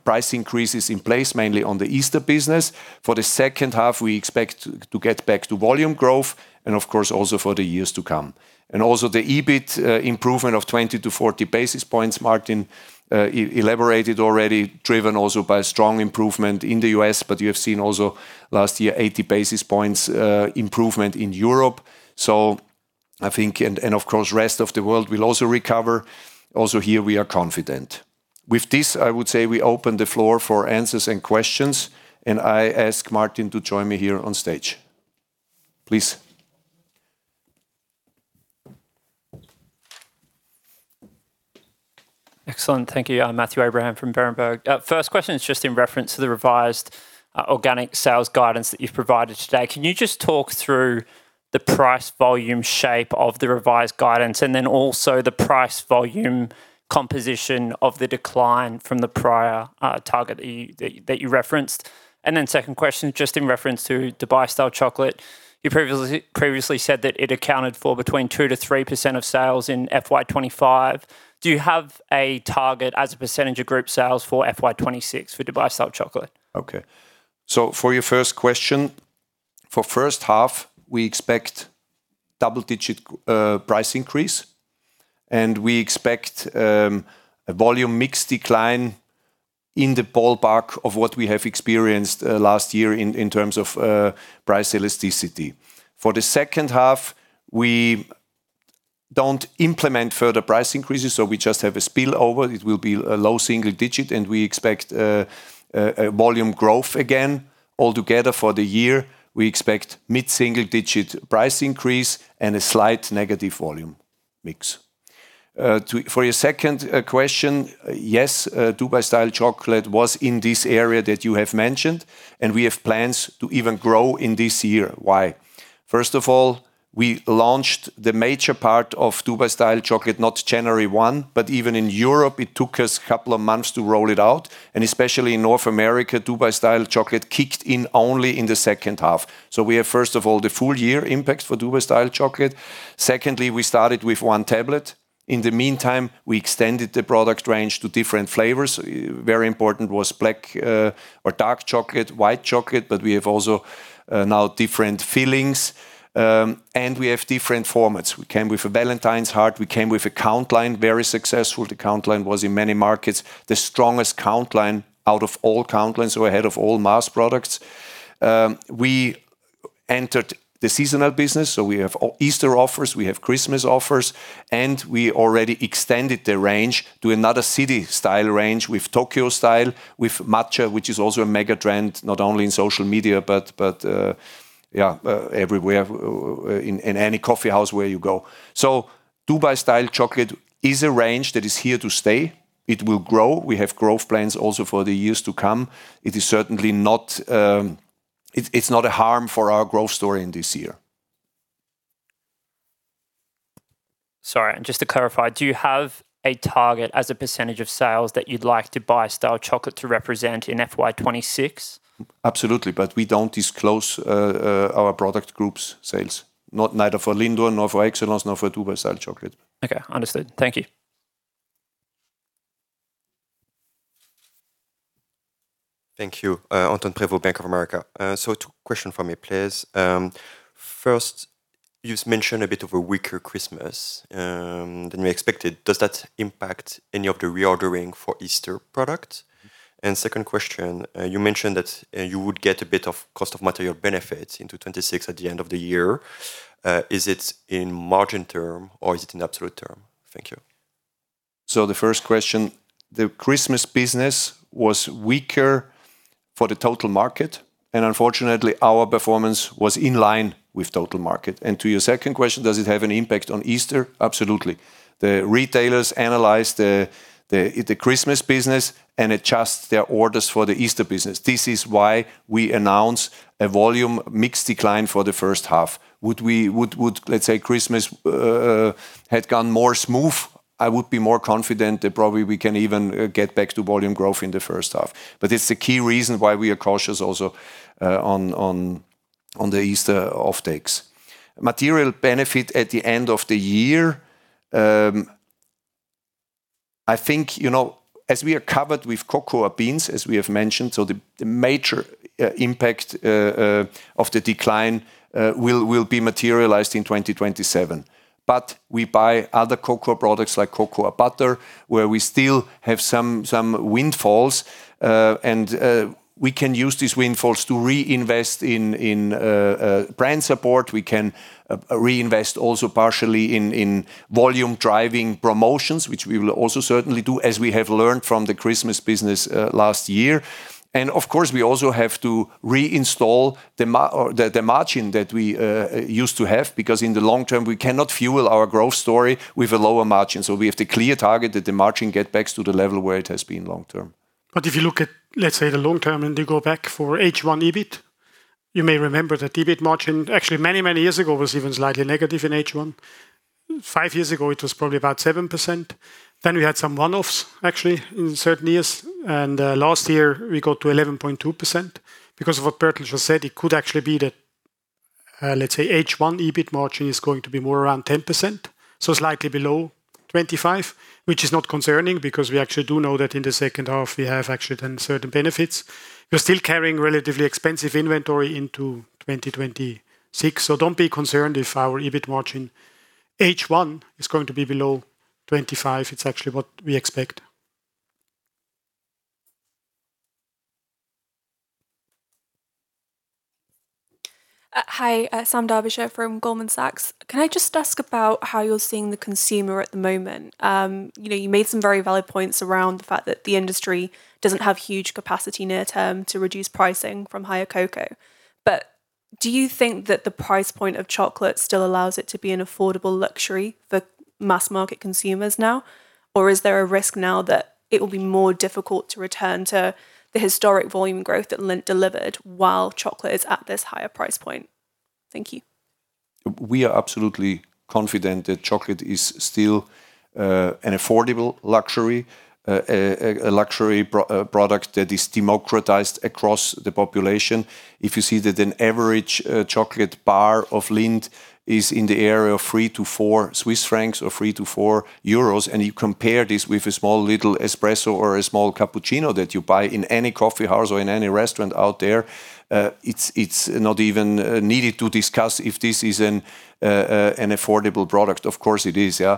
Speaker 1: price increases in place, mainly on the Easter business. For the H2, we expect to get back to volume growth and of course also for the years to come. The EBIT improvement of 20-40 basis points, Martin, elaborated already, driven also by strong improvement in the U.S., but you have seen also last year 80 basis points improvement in Europe. I think of course, rest of the world will also recover. Also here we are confident. With this, I would say we open the floor for answers and questions, and I ask Martin to join me here on stage. Please.
Speaker 3: Excellent. Thank you. I'm Matthew Abraham from Berenberg. First question is just in reference to the revised organic sales guidance that you've provided today. Can you just talk through the price/volume shape of the revised guidance and then also the price/volume composition of the decline from the prior target that you referenced? Second question, just in reference to Dubai Style chocolate. You previously said that it accounted for between 2%-3% of sales in FY 2025. Do you have a target as a percentage of group sales for FY 2026 for Dubai Style chocolate?
Speaker 1: Okay. For your first question. For first half, we expect double-digit price increase, and we expect a volume mix decline in the ballpark of what we have experienced last year in terms of price elasticity. For the H2, we don't implement further price increases, so we just have a spillover. It will be a low single-digit and we expect a volume growth again. Altogether for the year, we expect mid-single-digit price increase and a slight negative volume mix. For your second question, yes, Dubai-style chocolate was in this area that you have mentioned, and we have plans to even grow in this year. Why? First of all, we launched the major part of Dubai Style Chocolate not January one, but even in Europe, it took us couple of months to roll it out, and especially in North America, Dubai Style Chocolate kicked in only in the H2. We have, first of all, the full year impact for Dubai Style Chocolate. Secondly, we started with one tablet. In the meantime, we extended the product range to different flavors. Very important was black or dark chocolate, white chocolate, but we have also now different fillings, and we have different formats. We came with a Valentine's heart. We came with a count line, very successful. The count line was in many markets the strongest count line out of all count lines, so ahead of all mass products. We entered the seasonal business, so we have Easter offers, we have Christmas offers, and we already extended the range to another city style range with Tokyo Style, with matcha, which is also a mega trend, not only in social media, but everywhere, in any coffee house where you go. Dubai Style Chocolate is a range that is here to stay. It will grow. We have growth plans also for the years to come. It is certainly not, it's not a harm for our growth story in this year.
Speaker 3: Sorry, just to clarify, do you have a target as a percentage of sales that you'd like Dubai Style chocolate to represent in FY 2026?
Speaker 1: Absolutely. We don't disclose our product group's sales. Not neither for Lindor, nor for Excellence, nor for Dubai Style Chocolate.
Speaker 3: Okay. Understood. Thank you.
Speaker 4: Thank you. Antoine Prevot, Bank of America. Two question for me, please. First, you've mentioned a bit of a weaker Christmas than we expected. Does that impact any of the reordering for Easter product? Second question, you mentioned that you would get a bit of cost of material benefits into 2026 at the end of the year. Is it in margin term or is it in absolute term? Thank you.
Speaker 1: The first question, the Christmas business was weaker for the total market, and unfortunately, our performance was in line with total market. To your second question, does it have an impact on Easter? Absolutely. The retailers analyze the Christmas business and adjust their orders for the Easter business. This is why we announce a volume mix decline for the first half. Would, would, let's say, Christmas had gone more smooth, I would be more confident that probably we can even get back to volume growth in the first half. It's the key reason why we are cautious also on the Easter offtakes. Material benefit at the end of the year. I think, you know, as we are covered with cocoa beans, as we have mentioned, the major impact of the decline will be materialized in 2027. But we buy other cocoa products like cocoa butter, where we still have some windfalls, and we can use these windfalls to reinvest in brand support. We can reinvest also partially in volume-driving promotions, which we will also certainly do as we have learned from the Christmas business last year. Of course, we also have to reinstall the margin that we used to have, because in the long term, we cannot fuel our growth story with a lower margin. We have the clear target that the margin get back to the level where it has been long term.
Speaker 2: If you look at, let's say, the long term and you go back for H1 EBIT, you may remember that EBIT margin, actually many, many years ago, was even slightly negative in H1. Five years ago, it was probably about 7%. Then we had some one-offs, actually, in certain years. Last year, we got to 11.2%. Because of what Bertold just said, it could actually be that, let's say, H1 EBIT margin is going to be more around 10%, so slightly below 25%, which is not concerning because we actually do know that in the H2, we have actually then certain benefits. We're still carrying relatively expensive inventory into 2026. Don't be concerned if our EBIT margin H1 is going to be below 25%. It's actually what we expect.
Speaker 5: Hi, Sam Derbyshire from Goldman Sachs. Can I just ask about how you're seeing the consumer at the moment? You know, you made some very valid points around the fact that the industry doesn't have huge capacity near term to reduce pricing from higher cocoa. Do you think that the price point of chocolate still allows it to be an affordable luxury for mass market consumers now? Or is there a risk now that it will be more difficult to return to the historic volume growth that Lindt delivered while chocolate is at this higher price point? Thank you.
Speaker 1: We are absolutely confident that chocolate is still an affordable luxury, a luxury product that is democratized across the population. If you see that an average chocolate bar of Lindt is in the area of 3-4 Swiss francs or 3-4 euros, and you compare this with a small little espresso or a small cappuccino that you buy in any coffee house or in any restaurant out there, it's not even needed to discuss if this is an affordable product. Of course, it is, yeah.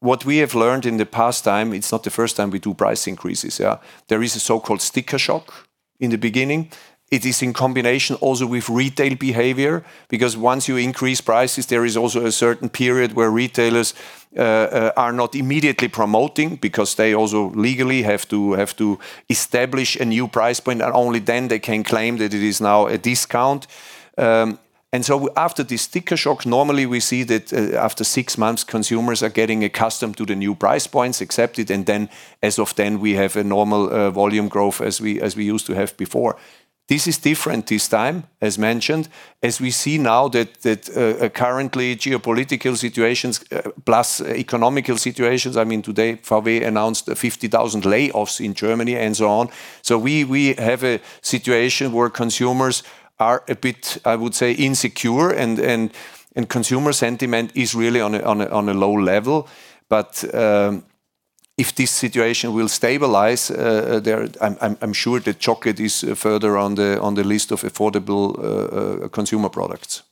Speaker 1: What we have learned in the past time, it's not the first time we do price increases, yeah. There is a so-called sticker shock in the beginning. It is in combination also with retail behavior, because once you increase prices, there is also a certain period where retailers are not immediately promoting because they also legally have to establish a new price point, and only then they can claim that it is now a discount. After this sticker shock, normally we see that after six months, consumers are getting accustomed to the new price points accepted, and then as of then, we have a normal volume growth as we used to have before. This is different this time, as mentioned, as we see now that currently geopolitical situations plus economic situations, I mean, today, VW announced 50,000 layoffs in Germany and so on. We have a situation where consumers are a bit, I would say, insecure and consumer sentiment is really on a low level. If this situation will stabilize, I'm sure that chocolate is further on the list of affordable consumer products.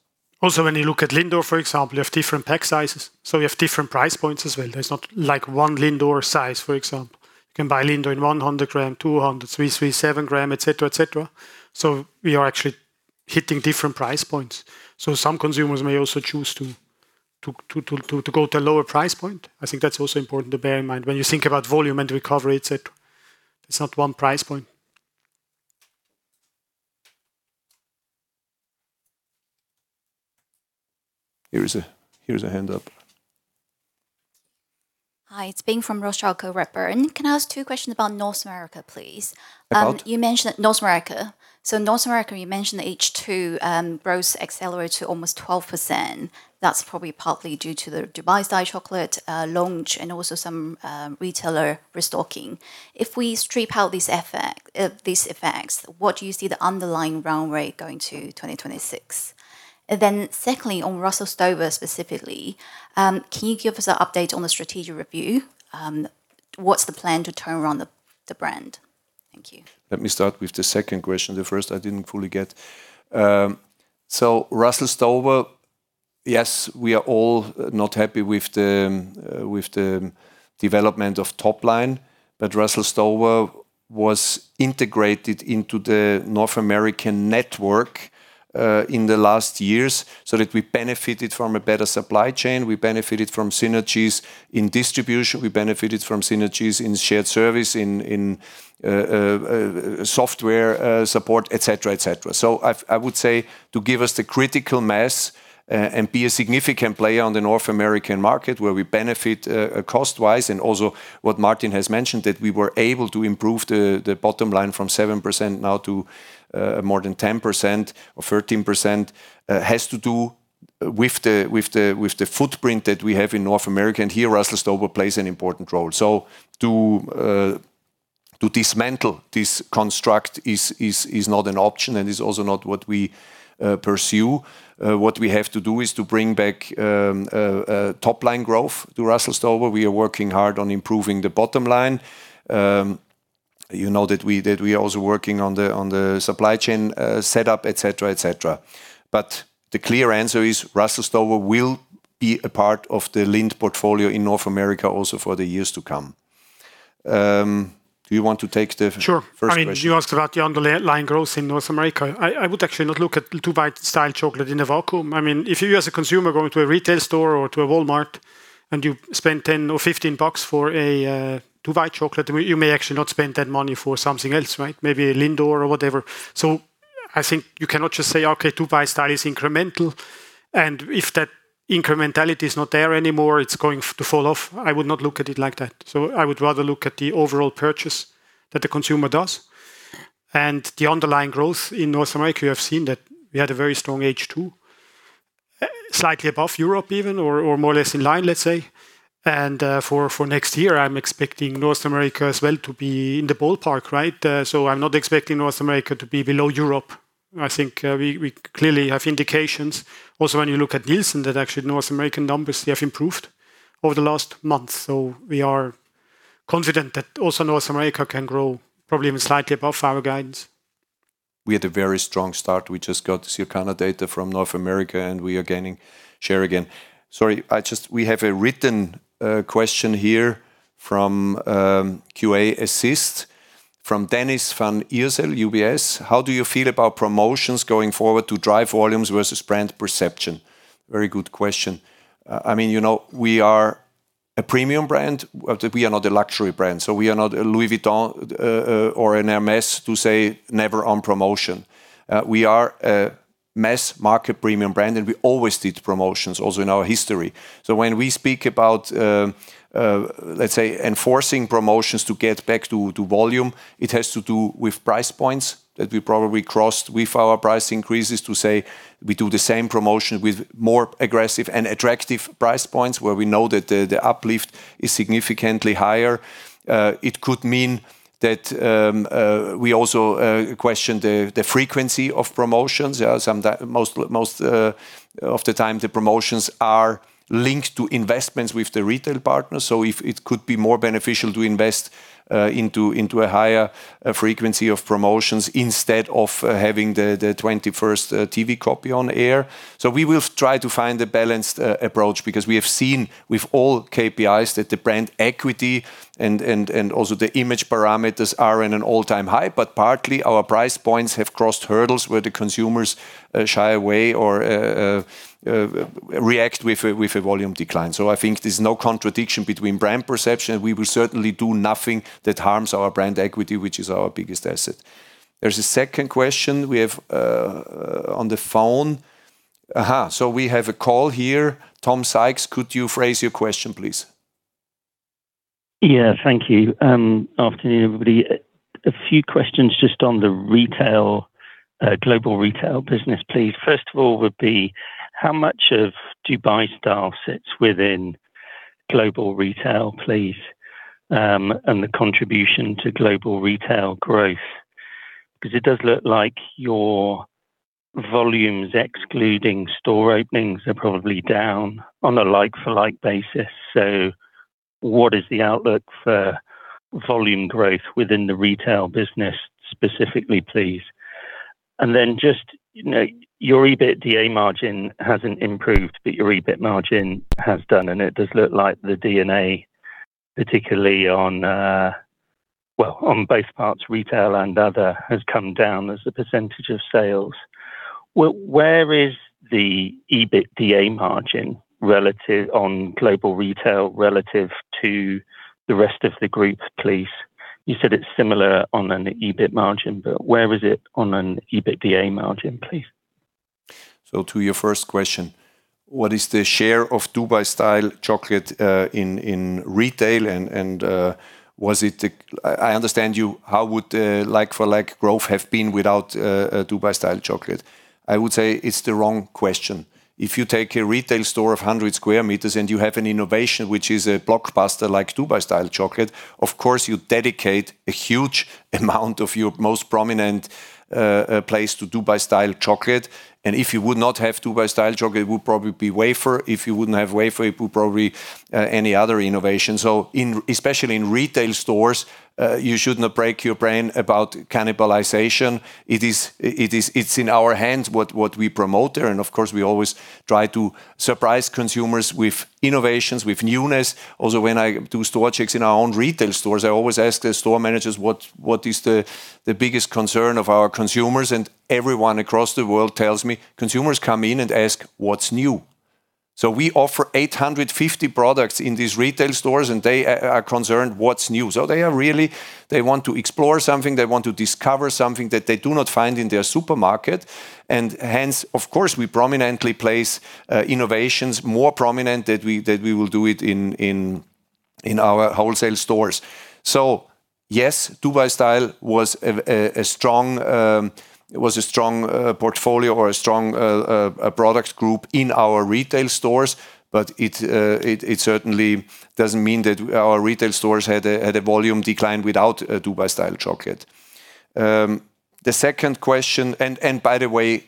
Speaker 2: Also, when you look at Lindor, for example, you have different pack sizes, so we have different price points as well. There's not like one Lindor size, for example. You can buy Lindor in 100 gram, 200, 337 gram, et cetera. We are actually hitting different price points. Some consumers may also choose to go to a lower price point. I think that's also important to bear in mind when you think about volume and recovery, et cetera. There's not one price point.
Speaker 1: Here is a hand up.
Speaker 6: Hi, it's Bing from Redburn Atlantic. Can I ask two questions about North America, please?
Speaker 1: About?
Speaker 6: You mentioned North America. North America, you mentioned H2, growth accelerate to almost 12%. That's probably partly due to the Dubai-style chocolate launch and also some retailer restocking. If we strip out these effects, what do you see the underlying run rate going to 2026? Secondly, on Russell Stover specifically, can you give us an update on the strategic review? What's the plan to turn around the brand? Thank you.
Speaker 1: Let me start with the second question. The first I didn't fully get. Russell Stover, yes, we are all not happy with the development of top line. Russell Stover was integrated into the North American network in the last years, so that we benefited from a better supply chain. We benefited from synergies in distribution. We benefited from synergies in shared service, in software support, et cetera. I would say to give us the critical mass and be a significant player on the North American market where we benefit cost-wise, and also what Martin has mentioned, that we were able to improve the bottom line from 7% now to more than 10% or 13% has to do with the footprint that we have in North America. Here, Russell Stover plays an important role. To dismantle this construct is not an option, and is also not what we pursue. What we have to do is to bring back top line growth to Russell Stover. We are working hard on improving the bottom line. You know that we are also working on the supply chain set up, et cetera. The clear answer is Russell Stover will be a part of the Lindt & Sprüngli portfolio in North America also for the years to come. Do you want to take the-
Speaker 2: Sure
Speaker 1: First question?
Speaker 2: I mean, you asked about the underlying growth in North America. I would actually not look at Dubai-style chocolate in a vacuum. I mean, if you as a consumer going to a retail store or to a Walmart and you spend $10 or $15 for a Dubai-style chocolate, you may actually not spend that money for something else, right? Maybe a Lindor or whatever. I think you cannot just say, "Okay, Dubai-style is incremental, and if that incrementality is not there anymore, it's going to fall off." I would not look at it like that. I would rather look at the overall purchase that the consumer does. The underlying growth in North America, you have seen that we had a very strong H2, slightly above Europe even, or more or less in line, let's say. For next year, I'm expecting North America as well to be in the ballpark, right? So I'm not expecting North America to be below Europe. I think, we clearly have indications also when you look at Nielsen, that actually North American numbers have improved over the last month. So we are confident that also North America can grow probably even slightly above our guidance.
Speaker 1: We had a very strong start. We just got Circana data from North America, and we are gaining share again. We have a written question here from Q&A assist from Dennis van Eersel, UBS. How do you feel about promotions going forward to drive volumes versus brand perception? Very good question. I mean, you know, we are a premium brand. We are not a luxury brand, so we are not a Louis Vuitton or an Hermès to say never on promotion. We are a mass market premium brand, and we always did promotions also in our history. When we speak about let's say enforcing promotions to get back to volume, it has to do with price points that we probably crossed with our price increases to say we do the same promotion with more aggressive and attractive price points where we know that the uplift is significantly higher. It could mean that we also question the frequency of promotions. There are some that most of the time, the promotions are linked to investments with the retail partners. If it could be more beneficial to invest into a higher frequency of promotions instead of having the twenty-first TV copy on air. We will try to find a balanced approach because we have seen with all KPIs that the brand equity and also the image parameters are in an all-time high. Partly our price points have crossed hurdles where the consumers shy away or react with a volume decline. I think there's no contradiction between brand perception. We will certainly do nothing that harms our brand equity, which is our biggest asset. There's a second question we have on the phone. We have a call here. Tom Sykes, could you phrase your question, please?
Speaker 7: Yeah, thank you. Afternoon, everybody. A few questions just on the retail, Global Retail business, please. First of all, would be how much of Dubai Style sits within Global Retail, please, and the contribution to Global Retail growth? 'Cause it does look like your volumes, excluding store openings, are probably down on a like for like basis. What is the outlook for volume growth within the retail business, specifically, please? Then just, you know, your EBITDA margin hasn't improved, but your EBIT margin has done, and it does look like the D&A, particularly on, well, on both parts, retail and other, has come down as a percentage of sales. Where is the EBITDA margin relative on Global Retail relative to the rest of the group, please? You said it's similar on an EBIT margin, but where is it on an EBITDA margin, please?
Speaker 1: To your first question, what is the share of Dubai Style chocolate in retail and was it, I understand, how would like-for-like growth have been without Dubai Style chocolate? I would say it's the wrong question. If you take a retail store of 100 square meters and you have an innovation which is a blockbuster like Dubai Style chocolate, of course you dedicate a huge amount of your most prominent place to Dubai Style chocolate. If you would not have Dubai Style chocolate, it would probably be wafer. If you wouldn't have wafer, it would probably any other innovation. In especially in retail stores, you should not break your brain about cannibalization. It is in our hands what we promote there, and of course, we always try to surprise consumers with innovations, with newness. When I do store checks in our own retail stores, I always ask the store managers what is the biggest concern of our consumers, and everyone across the world tells me, "Consumers come in and ask what's new." We offer 850 products in these retail stores, and they are concerned what's new. They are really. They want to explore something. They want to discover something that they do not find in their supermarket. Hence, of course, we prominently place innovations more prominent that we will do it in our wholesale stores. Yes, Dubai Style was a strong product group in our retail stores, but it certainly doesn't mean that our retail stores had a volume decline without a Dubai Style chocolate. The second question. By the way,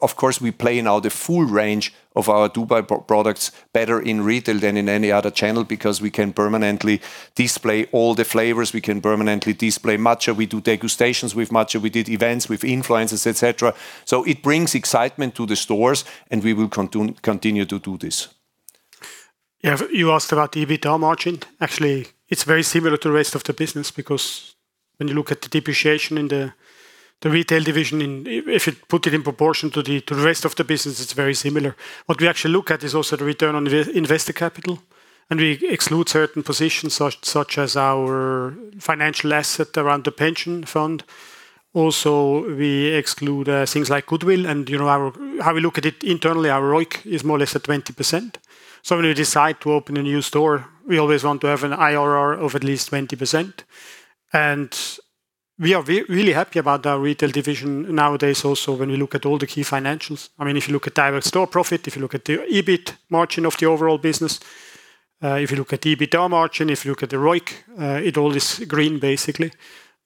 Speaker 1: of course, we play now the full range of our Dubai products better in retail than in any other channel because we can permanently display all the flavors. We can permanently display Matcha. We do degustations with Matcha. We did events with influencers, et cetera. It brings excitement to the stores, and we will continue to do this.
Speaker 2: Yeah. You asked about the EBITDA margin. Actually, it's very similar to the rest of the business because when you look at the depreciation in the retail division. If you put it in proportion to the rest of the business, it's very similar. What we actually look at is also the return on the invested capital, and we exclude certain positions such as our financial asset around the pension fund. Also, we exclude things like goodwill. You know, how we look at it internally, our ROIC is more or less at 20%. So when we decide to open a new store, we always want to have an IRR of at least 20%. We are really happy about our retail division nowadays also when we look at all the key financials. I mean, if you look at direct store profit, if you look at the EBIT margin of the overall business, if you look at the EBITDA margin, if you look at the ROIC, it all is green basically.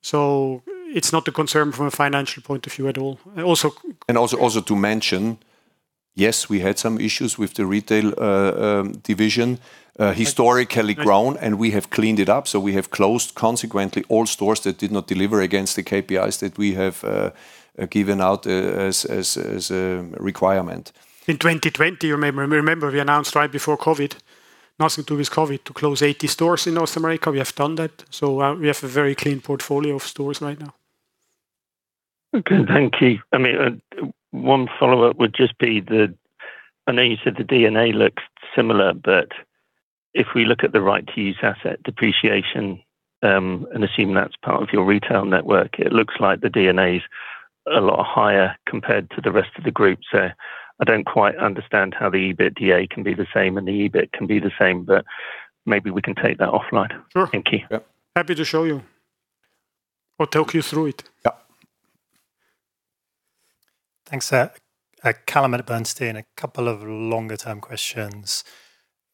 Speaker 2: It's not a concern from a financial point of view at all. Also
Speaker 1: Also, to mention, yes, we had some issues with the retail division, historically grown, and we have cleaned it up. We have closed consequently all stores that did not deliver against the KPIs that we have given out as a requirement.
Speaker 2: In 2020, remember we announced right before COVID, nothing to do with COVID, to close 80 stores in North America. We have done that. We have a very clean portfolio of stores right now.
Speaker 7: Okay, thank you. I mean, one follow-up would just be I know you said the D&A looks similar, but if we look at the right to use asset depreciation, and assume that's part of your retail network, it looks like the D&A is a lot higher compared to the rest of the group. I don't quite understand how the EBITDA can be the same and the EBIT can be the same, but maybe we can take that offline.
Speaker 2: Sure.
Speaker 7: Thank you.
Speaker 1: Yeah.
Speaker 2: Happy to show you or talk you through it.
Speaker 1: Yeah.
Speaker 8: Thanks. Callum at Bernstein. A couple of longer-term questions.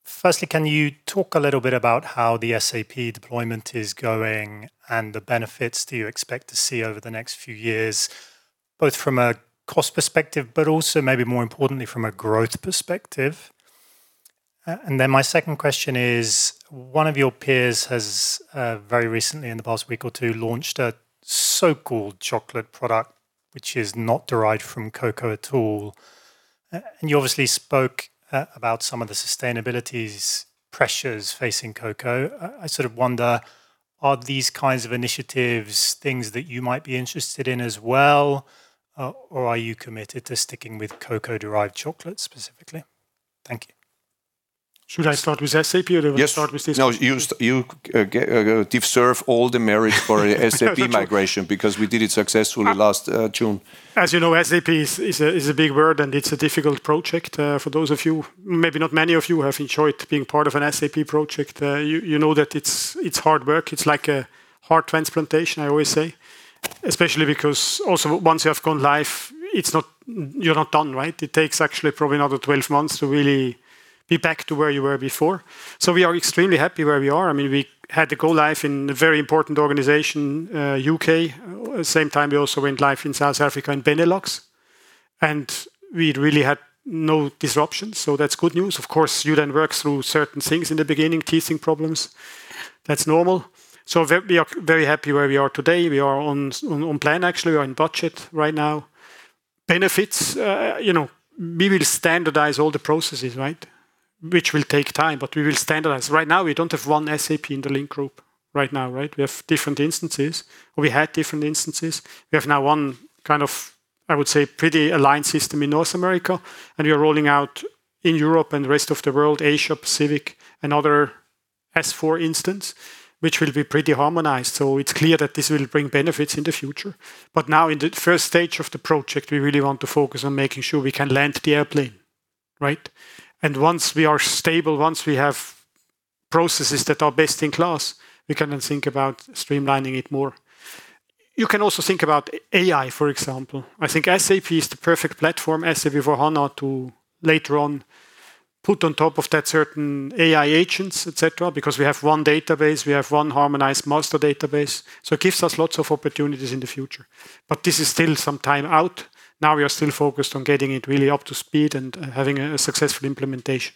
Speaker 8: Firstly, can you talk a little bit about how the SAP deployment is going and the benefits do you expect to see over the next few years, both from a cost perspective, but also maybe more importantly from a growth perspective? Then my second question is, one of your peers has very recently in the past week or two launched a so-called chocolate product which is not derived from cocoa at all. You obviously spoke about some of the sustainability pressures facing cocoa. I sort of wonder, are these kinds of initiatives things that you might be interested in as well, or are you committed to sticking with cocoa-derived chocolate specifically? Thank you.
Speaker 2: Should I start with SAP or do I start with this question?
Speaker 1: No. You deserve all the merit for SAP migration because we did it successfully last June.
Speaker 2: As you know, SAP is a big word, and it's a difficult project. For those of you, maybe not many of you have enjoyed being part of an SAP project. You know that it's hard work. It's like a heart transplantation, I always say. Especially because also once you have gone live, it's not. You're not done, right? It takes actually probably another 12 months to really be back to where you were before. We are extremely happy where we are. I mean, we had to go live in a very important organization, U.K. At the same time, we also went live in South Africa and Benelux. We really had no disruptions, so that's good news. Of course, you then work through certain things in the beginning, teething problems. That's normal. We are very happy where we are today. We are on plan actually. We're on budget right now. Benefits, you know, we will standardize all the processes, right? Which will take time, but we will standardize. Right now we don't have one SAP in the Lindt & Sprüngli Group right now, right? We have different instances. We had different instances. We have now one kind of, I would say, pretty aligned system in North America, and we are rolling out in Europe and the rest of the world, Asia, Pacific, and other S/4 instance, which will be pretty harmonized. So it's clear that this will bring benefits in the future. But now in the first stage of the project, we really want to focus on making sure we can land the airplane, right? Once we are stable, once we have processes that are best in class, we can then think about streamlining it more. You can also think about AI, for example. I think SAP is the perfect platform, SAP S/4HANA to later on put on top of that certain AI agents, et cetera, because we have one database, we have one harmonized master database, so it gives us lots of opportunities in the future. This is still some time out. Now we are still focused on getting it really up to speed and having a successful implementation.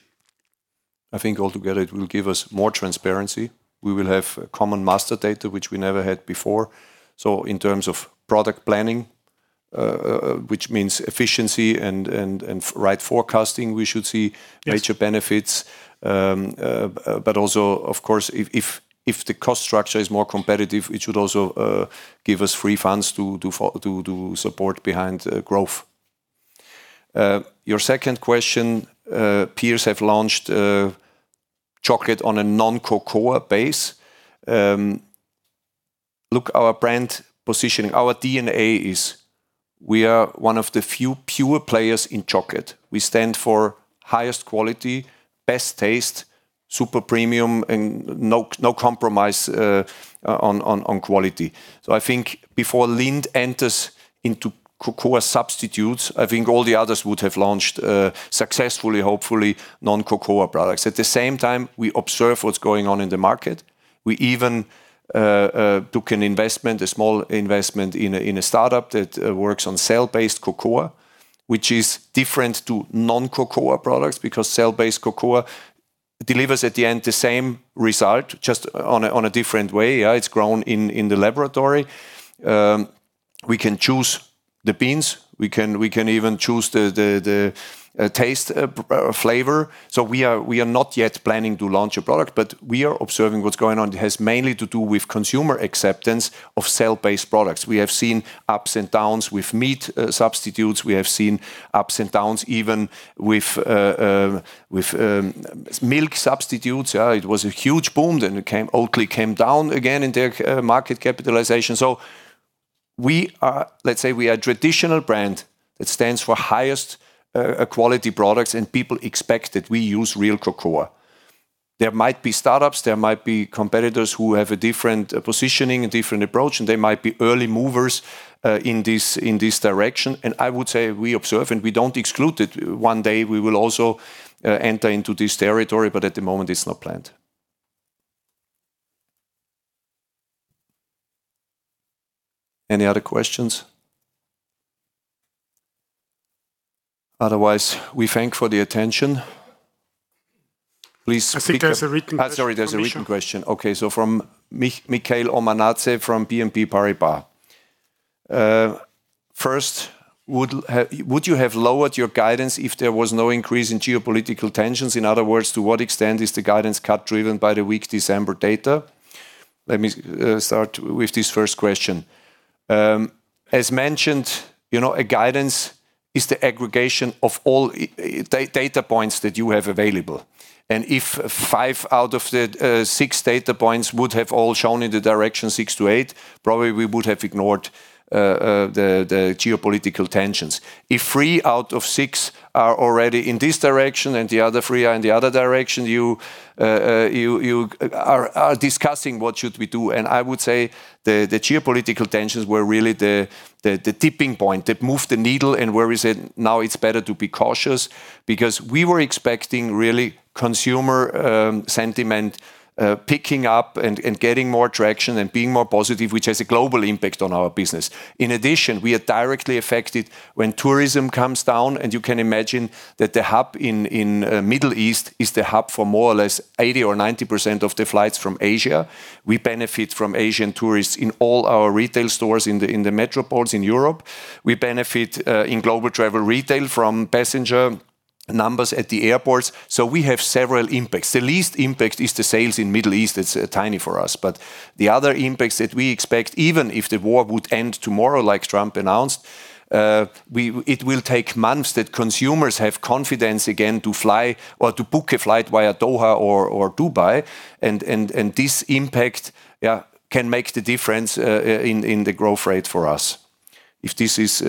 Speaker 1: I think altogether it will give us more transparency. We will have common master data which we never had before. In terms of product planning, which means efficiency and forecasting, we should see.
Speaker 2: Yes...
Speaker 1: major benefits. Also, of course, if the cost structure is more competitive, it should also give us free funds to support behind growth. Your second question, peers have launched chocolate on a non-cocoa base. Look, our brand positioning, our DNA is we are one of the few pure players in chocolate. We stand for highest quality, best taste, super premium and no compromise on quality. I think before Lindt enters into cocoa substitutes, I think all the others would have launched successfully, hopefully, non-cocoa products. At the same time, we observe what's going on in the market. We even took an investment, a small investment in a startup that works on cell-based cocoa, which is different to non-cocoa products because cell-based cocoa delivers at the end the same result, just on a different way, yeah. It's grown in the laboratory. We can choose the beans, we can even choose the taste, flavor. We are not yet planning to launch a product, but we are observing what's going on. It has mainly to do with consumer acceptance of cell-based products. We have seen ups and downs with meat substitutes. We have seen ups and downs even with milk substitutes. It was a huge boom, then it came. Oatly came down again in their market capitalization. We are, let's say, a traditional brand that stands for highest quality products and people expect that we use real cocoa. There might be startups, there might be competitors who have a different positioning, a different approach, and they might be early movers in this direction. I would say we observe, and we don't exclude it. One day, we will also enter into this territory, but at the moment it's not planned. Any other questions? Otherwise, we thank for the attention. Please speak.
Speaker 2: I think there's a written question.
Speaker 1: Sorry. There's a written question. Okay. From Mikheil Omanadze from BNP Paribas. First, would you have lowered your guidance if there was no increase in geopolitical tensions? In other words, to what extent is the guidance cut driven by the weak December data? Let me start with this first question. As mentioned, you know, a guidance is the aggregation of all data points that you have available. If five out of the six data points would have all shown in the direction six to eight, probably we would have ignored the geopolitical tensions. If three out of six are already in this direction and the other three are in the other direction, you are discussing what should we do. I would say the geopolitical tensions were really the tipping point that moved the needle and where we said, now it's better to be cautious. Because we were expecting really consumer sentiment picking up and getting more traction and being more positive, which has a global impact on our business. In addition, we are directly affected when tourism comes down, and you can imagine that the hub in Middle East is the hub for more or less 80% or 90% of the flights from Asia. We benefit from Asian tourists in all our retail stores in the metropolises in Europe. We benefit in global travel retail from passenger numbers at the airports. We have several impacts. The least impact is the sales in Middle East. It's tiny for us. The other impacts that we expect, even if the war would end tomorrow, like Trump announced, it will take months that consumers have confidence again to fly or to book a flight via Doha or Dubai. This impact can make the difference in the growth rate for us, if this is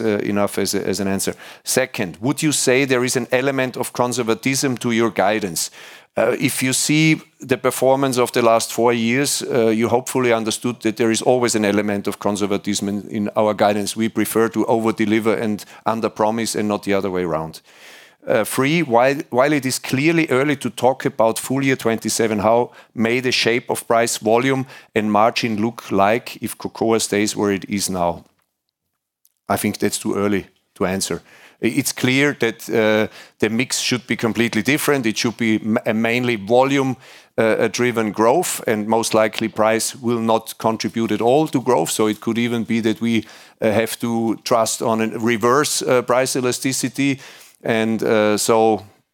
Speaker 1: enough as an answer. Second, would you say there is an element of conservatism to your guidance? If you see the performance of the last four years, you hopefully understood that there is always an element of conservatism in our guidance. We prefer to overdeliver and underpromise and not the other way around. While it is clearly early to talk about full year 2027, how may the shape of price, volume, and margin look like if cocoa stays where it is now? I think that's too early to answer. It's clear that the mix should be completely different. It should be mainly volume driven growth, and most likely price will not contribute at all to growth. So it could even be that we have to rely on a reverse price elasticity.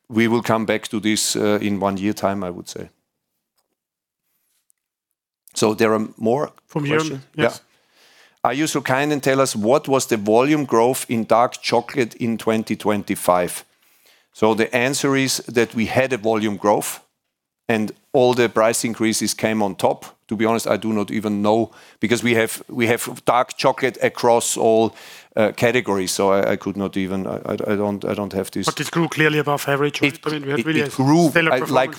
Speaker 1: We will come back to this in one year time, I would say. There are more questions.
Speaker 2: From here, yes.
Speaker 1: Yeah. Are you so kind and tell us what was the volume growth in dark chocolate in 2025? The answer is that we had a volume growth and all the price increases came on top. To be honest, I do not even know because we have dark chocolate across all categories, so I don't have this.
Speaker 2: It grew clearly above average.
Speaker 1: It grew.
Speaker 2: I mean, we had really a stellar performance.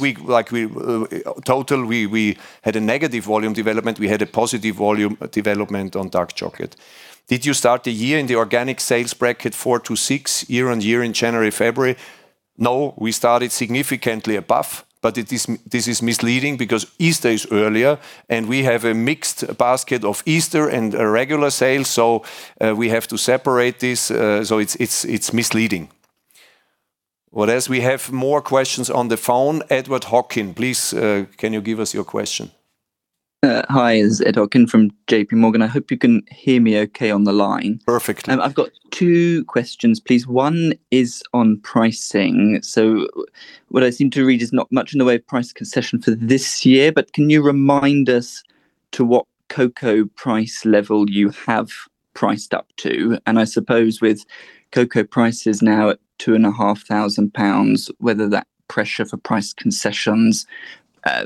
Speaker 1: We had a negative volume development. We had a positive volume development on dark chocolate. Did you start the year in the organic sales bracket 4%-6% year-over-year in January, February? No, we started significantly above, but it is this is misleading because Easter is earlier and we have a mixed basket of Easter and regular sales. We have to separate this, so it's misleading. Well, as we have more questions on the phone, Edward Hockin, please, can you give us your question?
Speaker 9: Hi. It's Ed Hockin from J.P. Morgan. I hope you can hear me okay on the line.
Speaker 1: Perfectly.
Speaker 9: I've got two questions, please. One is on pricing. What I seem to read is not much in the way of price concession for this year, but can you remind us to what cocoa price level you have priced up to? I suppose with cocoa prices now at 2,500 pounds, whether that pressure for price concessions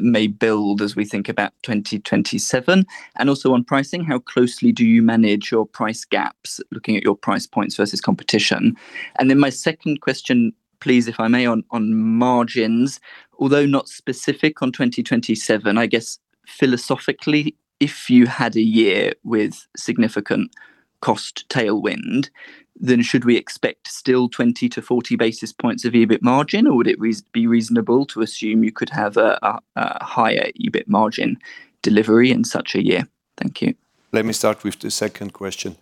Speaker 9: may build as we think about 2027. Also on pricing, how closely do you manage your price gaps looking at your price points versus competition? Then my second question, please, if I may on margins. Although not specific on 2027, I guess philosophically, if you had a year with significant cost tailwind, then should we expect still 20 basis-40 basis points of EBIT margin, or would it be reasonable to assume you could have a higher EBIT margin delivery in such a year? Thank you.
Speaker 1: Let me start with the second question.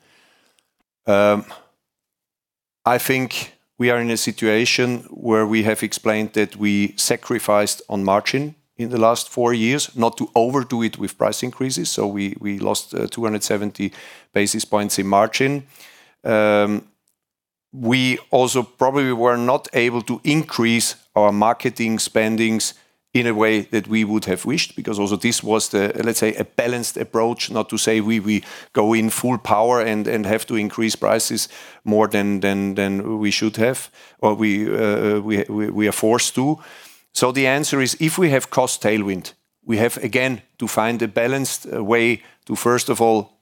Speaker 1: I think we are in a situation where we have explained that we sacrificed on margin in the last four years, not to overdo it with price increases. We lost 270 basis points in margin. We also probably were not able to increase our marketing spendings in a way that we would have wished because also this was the, let's say, a balanced approach. Not to say we go in full power and have to increase prices more than we should have or we are forced to. The answer is, if we have cost tailwind, we have again to find a balanced way to, first of all,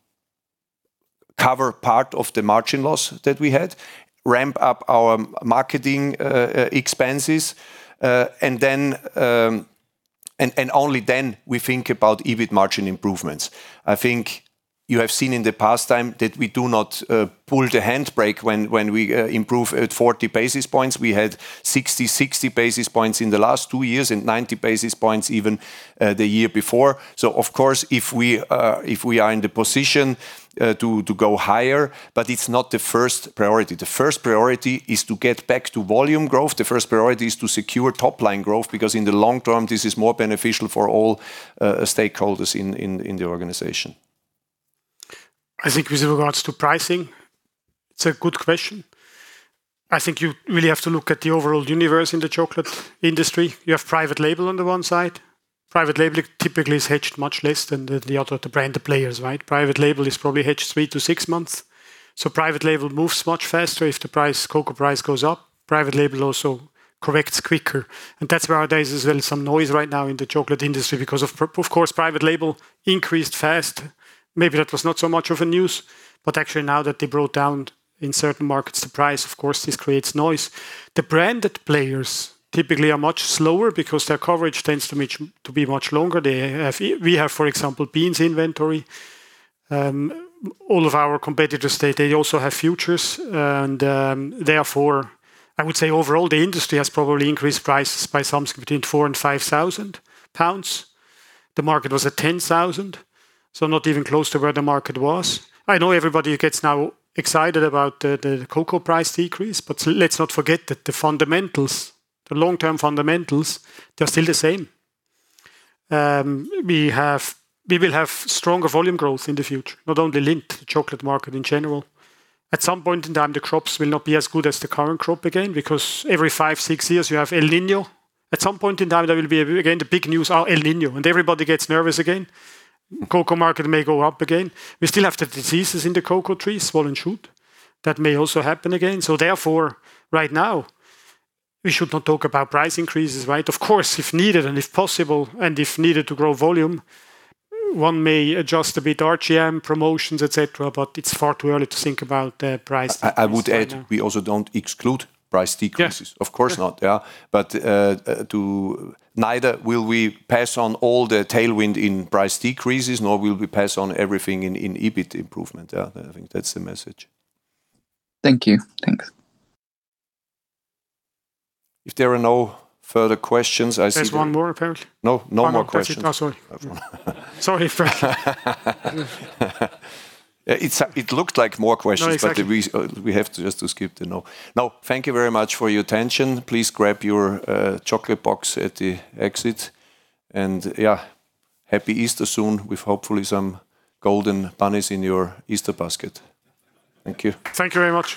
Speaker 1: cover part of the margin loss that we had, ramp up our marketing expenses, and then only then we think about EBIT margin improvements. I think you have seen in the past time that we do not pull the handbrake when we improve at 40 basis points. We had 60 basis points in the last two years and 90 basis points even the year before. Of course, if we are in the position to go higher, but it's not the first priority. The first priority is to get back to volume growth. The first priority is to secure top line growth because in the long term, this is more beneficial for all stakeholders in the organization.
Speaker 2: I think with regards to pricing, it's a good question. I think you really have to look at the overall universe in the chocolate industry. You have private label on the one side. Private label typically is hedged much less than the other, the brand players, right? Private label is probably hedged three months-six months. Private label moves much faster. If the cocoa price goes up, private label also corrects quicker. That's where there is as well some noise right now in the chocolate industry because of course, private label increased fast. Maybe that was not so much of a news, but actually now that they brought down in certain markets the price, of course, this creates noise. The branded players typically are much slower because their coverage tends to be much longer. We have, for example, beans inventory. All of our competitors, they also have futures. Therefore, I would say overall, the industry has probably increased prices by some between 4,000 and 5,000 pounds. The market was at 10,000, so not even close to where the market was. I know everybody gets now excited about the cocoa price decrease, but let's not forget that the fundamentals, the long-term fundamentals, they're still the same. We have, we will have stronger volume growth in the future, not only Lindt, the chocolate market in general. At some point in time, the crops will not be as good as the current crop again, because every five years, six years you have El Niño. At some point in time, there will be, again, the big news are El Niño, and everybody gets nervous again. Cocoa market may go up again. We still have the diseases in the cocoa trees, swollen shoot. That may also happen again. Therefore, right now, we should not talk about price increases, right? Of course, if needed and if possible, and if needed to grow volume, one may adjust a bit RGM, promotions, et cetera, but it's far too early to think about the price increase right now.
Speaker 1: I would add, we also don't exclude price decreases.
Speaker 2: Yes.
Speaker 1: Of course not, yeah. Neither will we pass on all the tailwind in price decreases, nor will we pass on everything in EBIT improvement. Yeah. I think that's the message.
Speaker 9: Thank you. Thanks.
Speaker 1: If there are no further questions, I see.
Speaker 2: There's one more apparently.
Speaker 1: No, no more questions.
Speaker 2: Oh, no question. Oh, sorry. Sorry, Frank.
Speaker 1: It looked like more questions.
Speaker 2: No, exactly.
Speaker 1: We have just to skip the Q&A. Now, thank you very much for your attention. Please grab your chocolate box at the exit. Yeah, Happy Easter soon with hopefully some golden bunnies in your Easter basket. Thank you.
Speaker 2: Thank you very much.